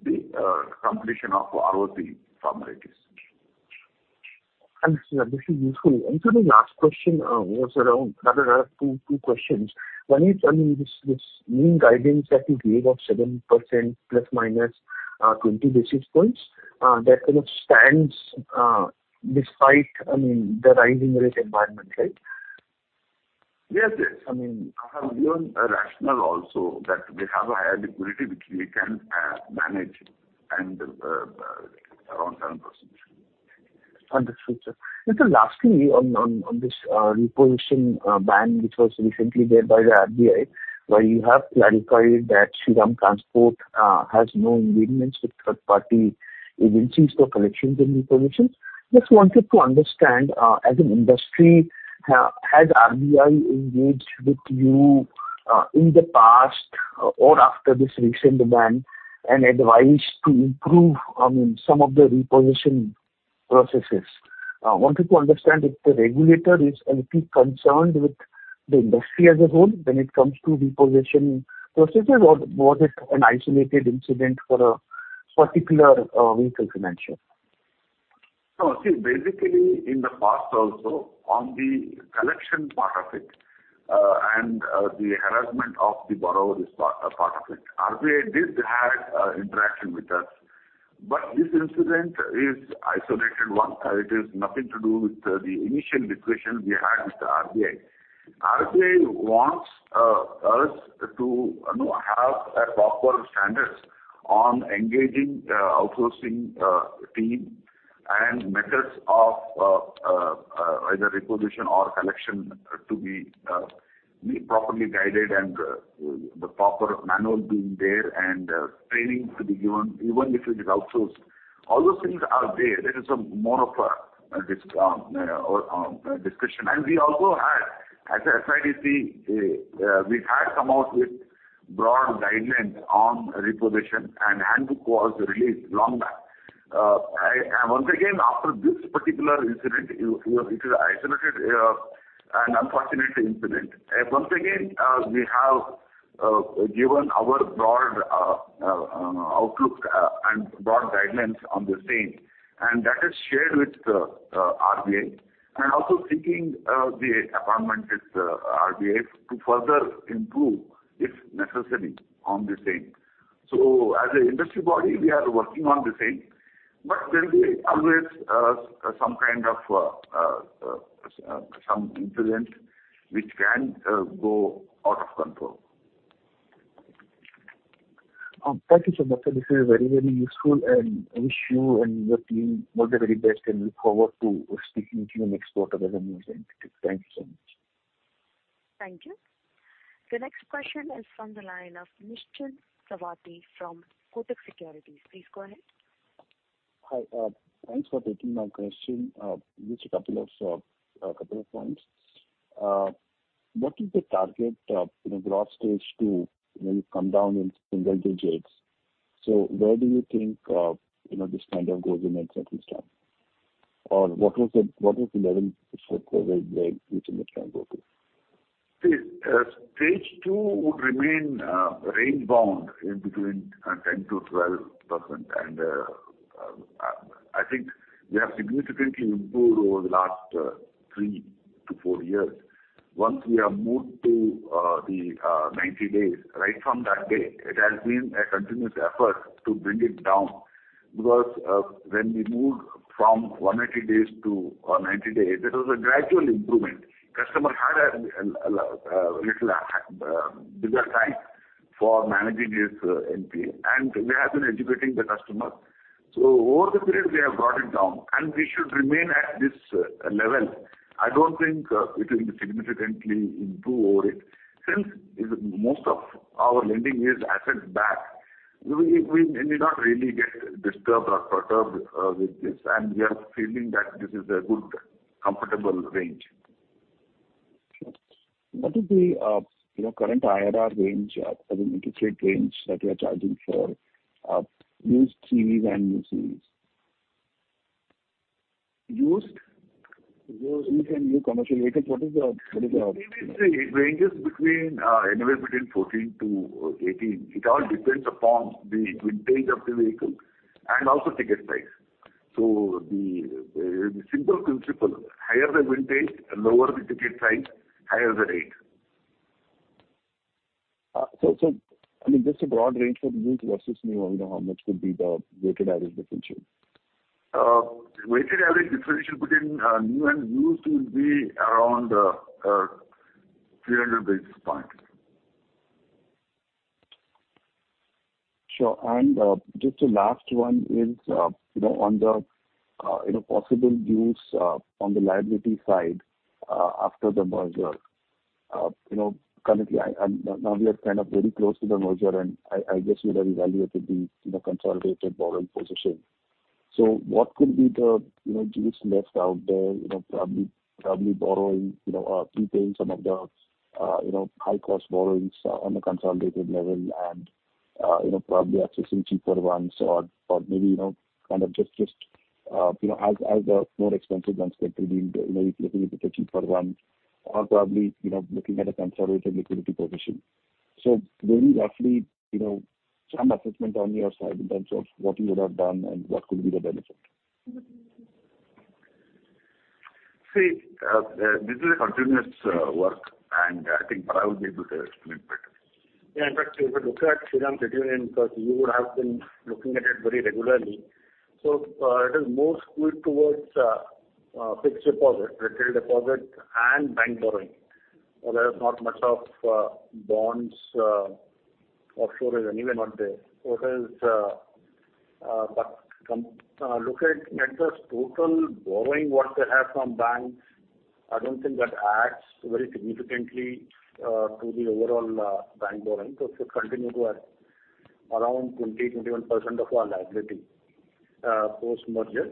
the completion of ROC formalities. Understood. This is useful. The last question was around. Rather, two questions. One is, I mean, this new guidance that you gave of 7% ± 20 basis points that kind of stands despite, I mean, the rising rate environment, right? Yes, yes. I mean, I have given a rationale also that we have a higher liquidity which we can manage and around 10%. Understood, sir. Lastly on this repossession ban which was recently there by the RBI, where you have clarified that Shriram Transport has no engagements with third-party agencies for collections and repossession. Just wanted to understand, as an industry, has RBI engaged with you in the past or after this recent ban and advised to improve on some of the repossession processes? I wanted to understand if the regulator is a little concerned with the industry as a whole when it comes to repossession processes, or was it an isolated incident for a particular vehicle financier? No. See, basically in the past also on the collection part of it, and the harassment of the borrower's part of it, RBI did have interaction with us. This incident is isolated one. It is nothing to do with the initial discussion we had with the RBI. RBI wants us to have top-quality standards on engaging outsourcing team and methods of either repossession or collection to be properly guided and the proper manual being there and training to be given even if it is outsourced. All those things are there. There is more of a discussion. We also had, as SIDBI, we've had come out with broad guidelines on repossession and handbook was released long back. Once again, after this particular incident, it is isolated and unfortunate incident. Once again, we have given our broad outlook and broad guidelines on the same, and that is shared with RBI and also seeking the appointment with RBI to further improve if necessary on the same. As an industry body, we are working on the same, but there will always be some kind of incident which can go out of control. Thank you so much, sir. This is very, very useful, and I wish you and your team all the very best, and look forward to speaking to you next quarter as a merged entity. Thank you so much. Thank you. The next question is from the line of Nishant Shah from Kotak Securities. Please go ahead. Hi. Thanks for taking my question. Just a couple of points. What is the target of, you know, gross stage two when you come down in single digits? Where do you think, you know, this kind of goes in exact terms? What was the level which you would try and go to? See, stage two would remain range bound in between 10%-12%. I think we have significantly improved over the last 3-4 years. Once we have moved to the 90 days, right from that day, it has been a continuous effort to bring it down, because when we moved from 180 days to 90 days, it was a gradual improvement. Customer had a little bigger time for managing his NPA, and we have been educating the customer. Over the period, we have brought it down, and we should remain at this level. I don't think it will significantly improve over it. Since most of our lending is asset backed, we may not really get disturbed or perturbed with this and we are feeling that this is a good comfortable range. What is the your current IRR range or the interest rate range that you are charging for used CVs and new CVs? Used? Used and new commercial vehicles. What is the It ranges between anywhere between 14-18. It all depends upon the vintage of the vehicle and also ticket size. The simple principle, higher the vintage, lower the ticket size, higher the rate. I mean, just a broad range for used versus new, you know, how much could be the weighted average differential? Weighted average differential between new and used will be around 300 basis points. Sure. Just the last one is, you know, on the, you know, possible use, on the liability side, after the merger. You know, currently now we are kind of very close to the merger and I guess you'd have evaluated the, you know, consolidated borrowing position. What could be the, you know, use left out there, you know, probably borrowing, you know, prepaying some of the, you know, high cost borrowings on the consolidated level and, you know, probably accessing cheaper ones or maybe, you know, kind of just, you know, as the more expensive ones get redeemed, you know, looking into the cheaper ones or probably, you know, looking at a consolidated liquidity position. Very roughly, you know, some assessment on your side in terms of what you would have done and what could be the benefit. See, this is a continuous work, and I think Parag will be able to explain it better. Yeah. In fact, if you look at Shriram City Union, because you would have been looking at it very regularly. It is more skewed towards fixed deposit, retail deposit and bank borrowing. There is not much of bonds. Offshore is anyway not there. But from looking at the total borrowing what they have from banks, I don't think that adds very significantly to the overall bank borrowing. It will continue to at around 20%-21% of our liability post-merger.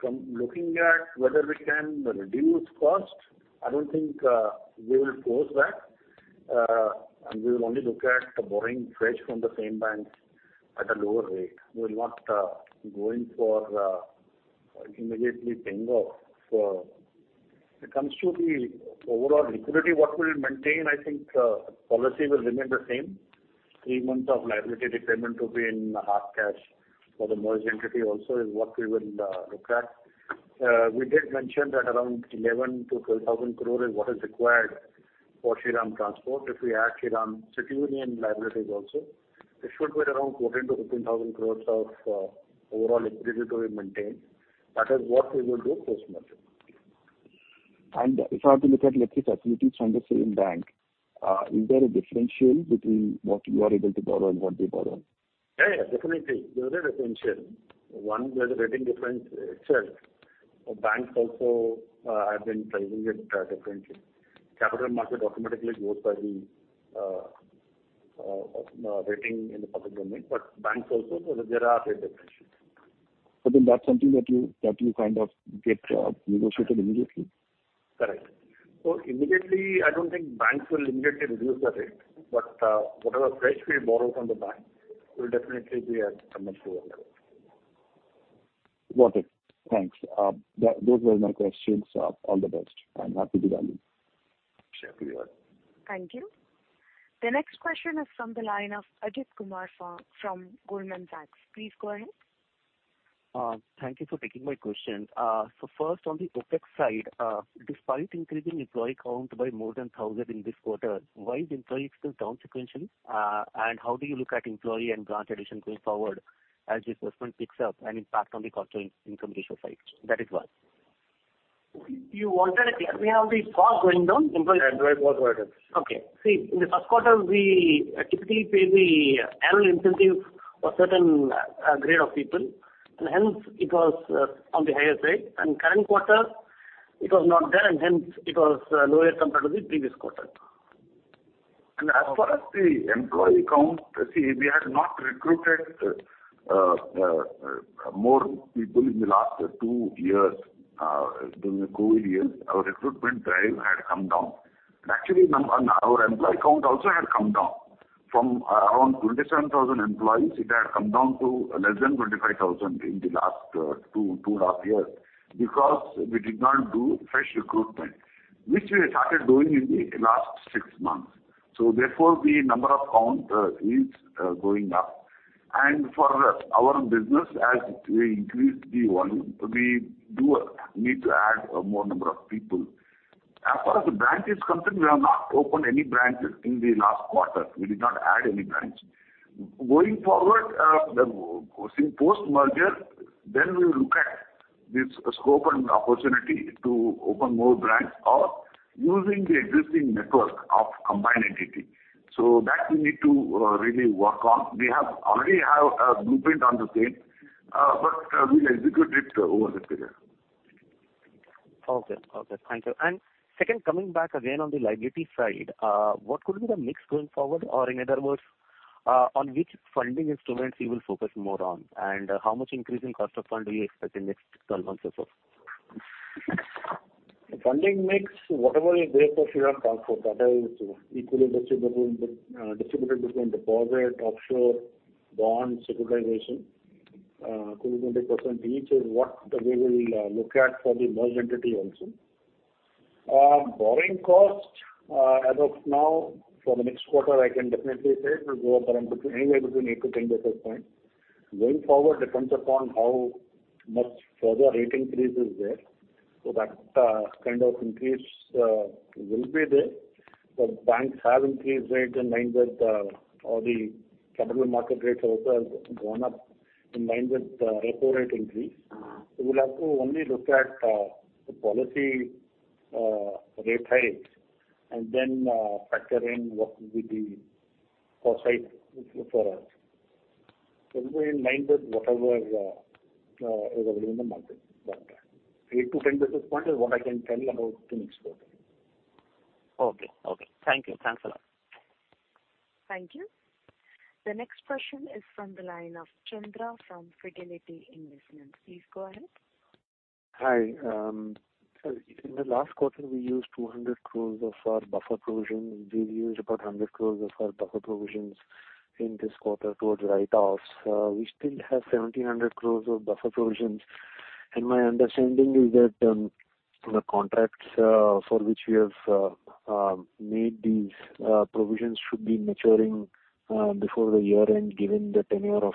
From looking at whether we can reduce cost, I don't think we will force that. We will only look at the borrowing fresh from the same banks at a lower rate. We'll not going for immediately paying off. When it comes to the overall liquidity, what we'll maintain, I think, policy will remain the same. Three months of liability repayment to be in hard cash for the merged entity also is what we will look at. We did mention that around 11,000-12,000 crore is what is required for Shriram Transport. If we add Shriram City Union liabilities also, it should be around 14,000-15,000 crore of overall liquidity to be maintained. That is what we will do post-merger. If I have to look at lending facilities from the same bank, is there a differential between what you are able to borrow and what they borrow? Yeah, definitely. There is a differential. One, there's a rating difference itself. Banks also have been pricing it differently. Capital market automatically goes by the rating in the public domain. Banks also, so there are rate differences. That's something that you kind of get negotiated immediately? Correct. Immediately, I don't think banks will immediately reduce the rate, but, whatever fresh we borrow from the bank will definitely be at a much lower rate. Got it. Thanks. Those were my questions. All the best. I'm happy to value. Sure. Thank you. Thank you. The next question is from the line of Ajit Kumar from Goldman Sachs. Please go ahead. Thank you for taking my question. So first, on the OpEx side, despite increasing employee count by more than 1,000 in this quarter, why is employee expense down sequentially? How do you look at employee and branch addition going forward as the assessment picks up and impact on the cost income ratio side? That is one. You want an explanation of the cost going down. Employee cost going down. Okay. See, in the first quarter, we typically pay the annual incentive for certain grade of people, and hence it was on the higher side. Current quarter it was not there, and hence it was lower compared to the previous quarter. As far as the employee count, see, we had not recruited more people in the last two years, during the COVID years, our recruitment drive had come down. Actually our employee count also had come down from around 27,000 employees it had come down to less than 25,000 in the last 2.5 years because we did not do fresh recruitment, which we have started doing in the last six months. Therefore the number count is going up. For our business, as we increase the volume, we do need to add a more number of people. As far as the branch is concerned, we have not opened any branches in the last quarter. We did not add any branch. Going forward, seeing post-merger, we will look at the scope and opportunity to open more branch or using the existing network of combined entity. That we need to really work on. We already have a blueprint on the same, but we'll execute it over the period. Okay. Thank you. Second, coming back again on the liability side, what could be the mix going forward? Or in other words, on which funding instruments you will focus more on, and how much increase in cost of funds do you expect in next 12 months or so? Funding mix, whatever is there for STFC, that is equally distributed between deposit, offshore, bonds, securitization, 20% each is what we will look at for the merged entity also. Borrowing cost, as of now for the next quarter I can definitely say it will go up around between, anywhere between 8-10 basis points. Going forward, depends upon how much further rate increase is there. That kind of increase will be there. Banks have increased rates in line with all the capital market rates have also gone up in line with the repo rate increase. Uh-huh. We'll have to only look at the policy rate hikes and then factor in what will be the foresight for us. Keep in mind that whatever is available in the market. 8-10 basis points is what I can tell you about the next quarter. Okay. Thank you. Thanks a lot. Thank you. The next question is from the line of Chandra from Fidelity Investments. Please go ahead. Hi. In the last quarter, we used 200 crore of our buffer provision. We've used about 100 crore of our buffer provisions in this quarter towards write-offs. We still have 1,700 crore of buffer provisions, and my understanding is that the contracts for which we have made these provisions should be maturing before the year-end given the tenure of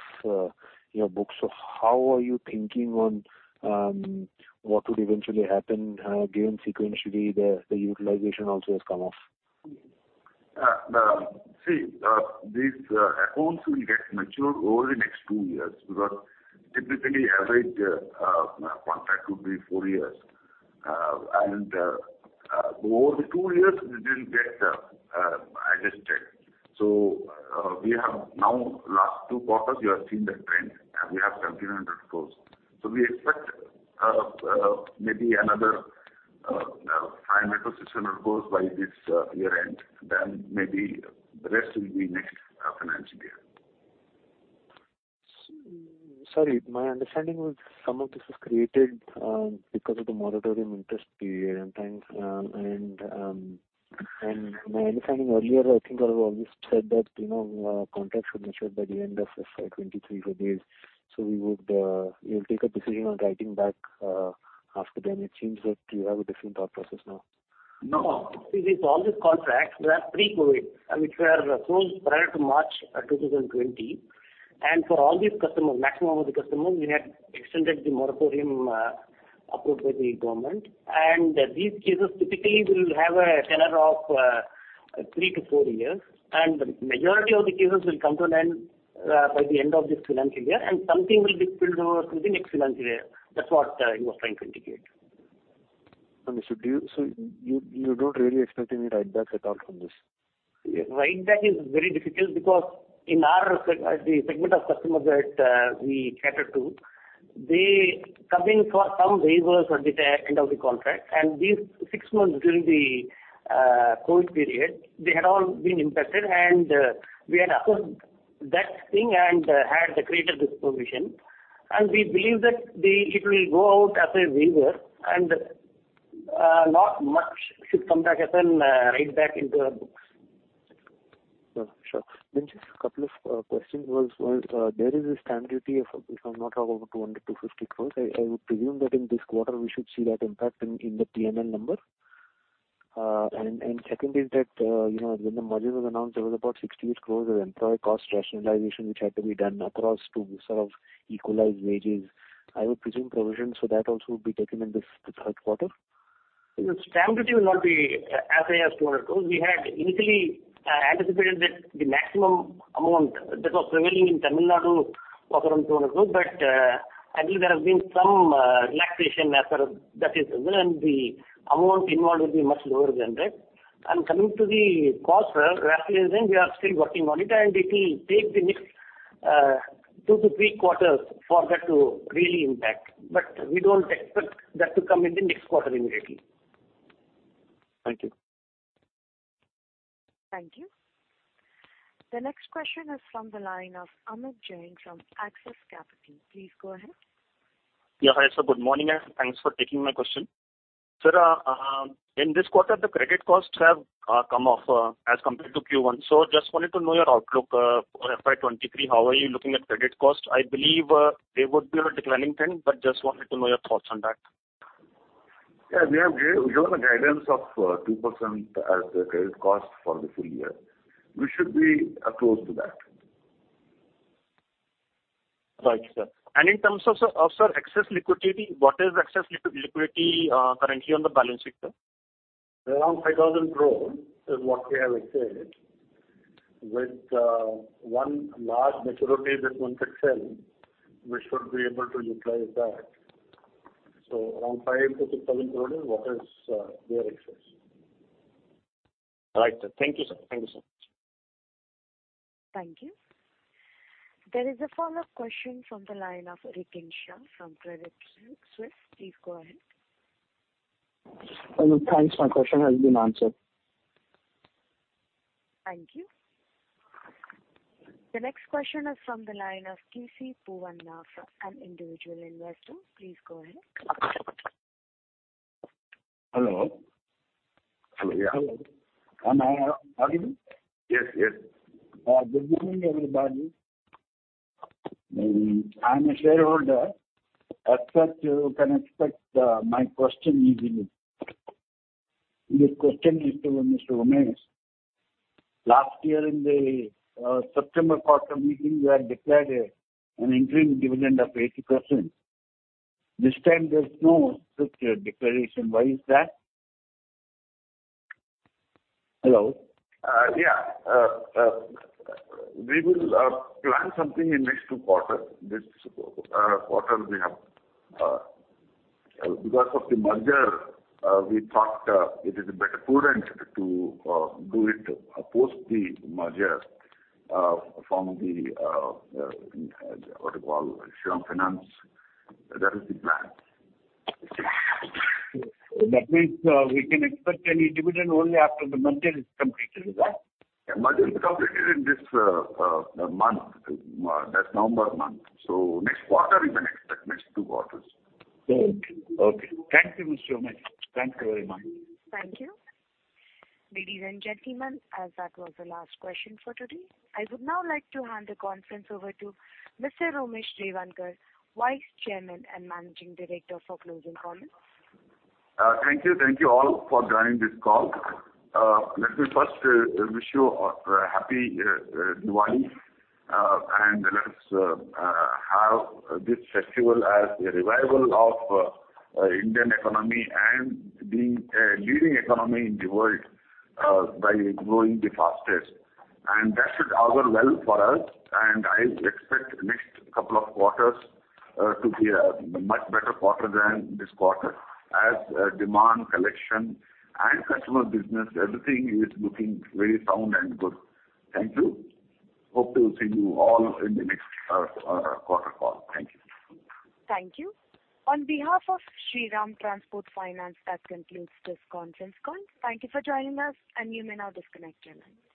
your books. How are you thinking on what would eventually happen given sequentially the utilization also has come off? These accounts will get matured over the next two years because typically average contract would be four years. Over the two years it will get adjusted. In the last two quarters you have seen that trend, and we have INR 1,700 crores. We expect maybe another 500-600 crores by this year-end, then maybe the rest will be next financial year. Sorry, my understanding was some of this was created because of the moratorium interest period and things. My understanding earlier, I think you always said that, you know, contracts were matured by the end of FY 2023 for this. We'll take a decision on writing back after then. It seems that you have a different thought process now. No. See, all these contracts were pre-COVID, which were closed prior to March 2020. For all these customers, majority of the customers we had extended the moratorium approved by the government. These cases typically will have a tenor of 3-4 years, and the majority of the cases will come to an end by the end of this financial year, and something will spill over to the next financial year. That's what you are trying to indicate. Understood. You don't really expect any writeback at all from this? Write-back is very difficult because in our the segment of customers that we cater to, they come in for some waivers at the end of the contract. These six months during the COVID period, they had all been impacted, and we had assessed that thing and had created this provision. We believe that it will go out as a waiver and not much should come back as a write-back into our books. Just a couple of questions. Was there a stamp duty of, if I'm not wrong, about 200-250 crore. I would presume that in this quarter we should see that impact in the P&L number. Second is that, you know, when the merger was announced, there was about 68 crore of employee cost rationalization which had to be done across to sort of equalize wages. I would presume provisions for that also would be taken in this third quarter. The stamp duty will not be as high as 200 crore. We had initially anticipated that the maximum amount that was prevailing in Tamil Nadu was around INR 200 crore. I believe there has been some relaxation. The amount involved will be much lower than that. Coming to the cost rationalization, we are still working on it and it will take the next 2 to 3 quarters for that to really impact. We don't expect that to come in the next quarter immediately. Thank you. Thank you. The next question is from the line of Amit Jain from Axis Capital. Please go ahead. Hi, sir. Good morning, and thanks for taking my question. Sir, in this quarter, the credit costs have come off as compared to Q1. Just wanted to know your outlook for FY 2023. How are you looking at credit cost? I believe they would be on a declining trend, but just wanted to know your thoughts on that. Yeah. We have given a guidance of 2% as the credit cost for the full year. We should be close to that. Right, sir. In terms of excess liquidity, what is excess liquidity currently on the balance sheet, sir? Around 5,000 crores is what we have said. With one large maturity this month itself, we should be able to utilize that. Around 5,000-6,000 crores is what is there in excess. All right, sir. Thank you, sir. Thank you, sir. Thank you. There is a follow-up question from the line of Rikin Shah from Credit Suisse. Please go ahead. No, thanks. My question has been answered. Thank you. The next question is from the line of KC Poovanna from an individual investor. Please go ahead. Hello. Hello. Yeah. Hello. Am I talking? Yes, yes. Good evening, everybody. I'm a shareholder. As such, you can expect my question easily. This question is to Mr. Umesh Revankar. Last year in the September quarter meeting you had declared an interim dividend of 80%. This time there's no such declaration. Why is that? Hello? We will plan something in next two quarters. This quarter, because of the merger, we thought it is a better prudent to do it post the merger from what you call Shriram Finance. That is the plan. That means, we can expect any dividend only after the merger is completed, is that? Merger is completed in this month, that November month. Next quarter you can expect, next two quarters. Okay. Thank you, Mr. Umesh. Thank you very much. Thank you. Ladies and gentlemen, as that was the last question for today, I would now like to hand the conference over to Mr. Umesh Revankar, Vice Chairman and Managing Director, for closing comments. Thank you. Thank you all for joining this call. Let me first wish you a happy Diwali. Let's have this festival as a revival of Indian economy and the leading economy in the world by growing the fastest. That should augur well for us, and I expect next couple of quarters to be a much better quarter than this quarter as demand, collection and customer business, everything is looking very sound and good. Thank you. Hope to see you all in the next quarter call. Thank you. Thank you. On behalf of Shriram Transport Finance, that concludes this conference call. Thank you for joining us, and you may now disconnect your lines.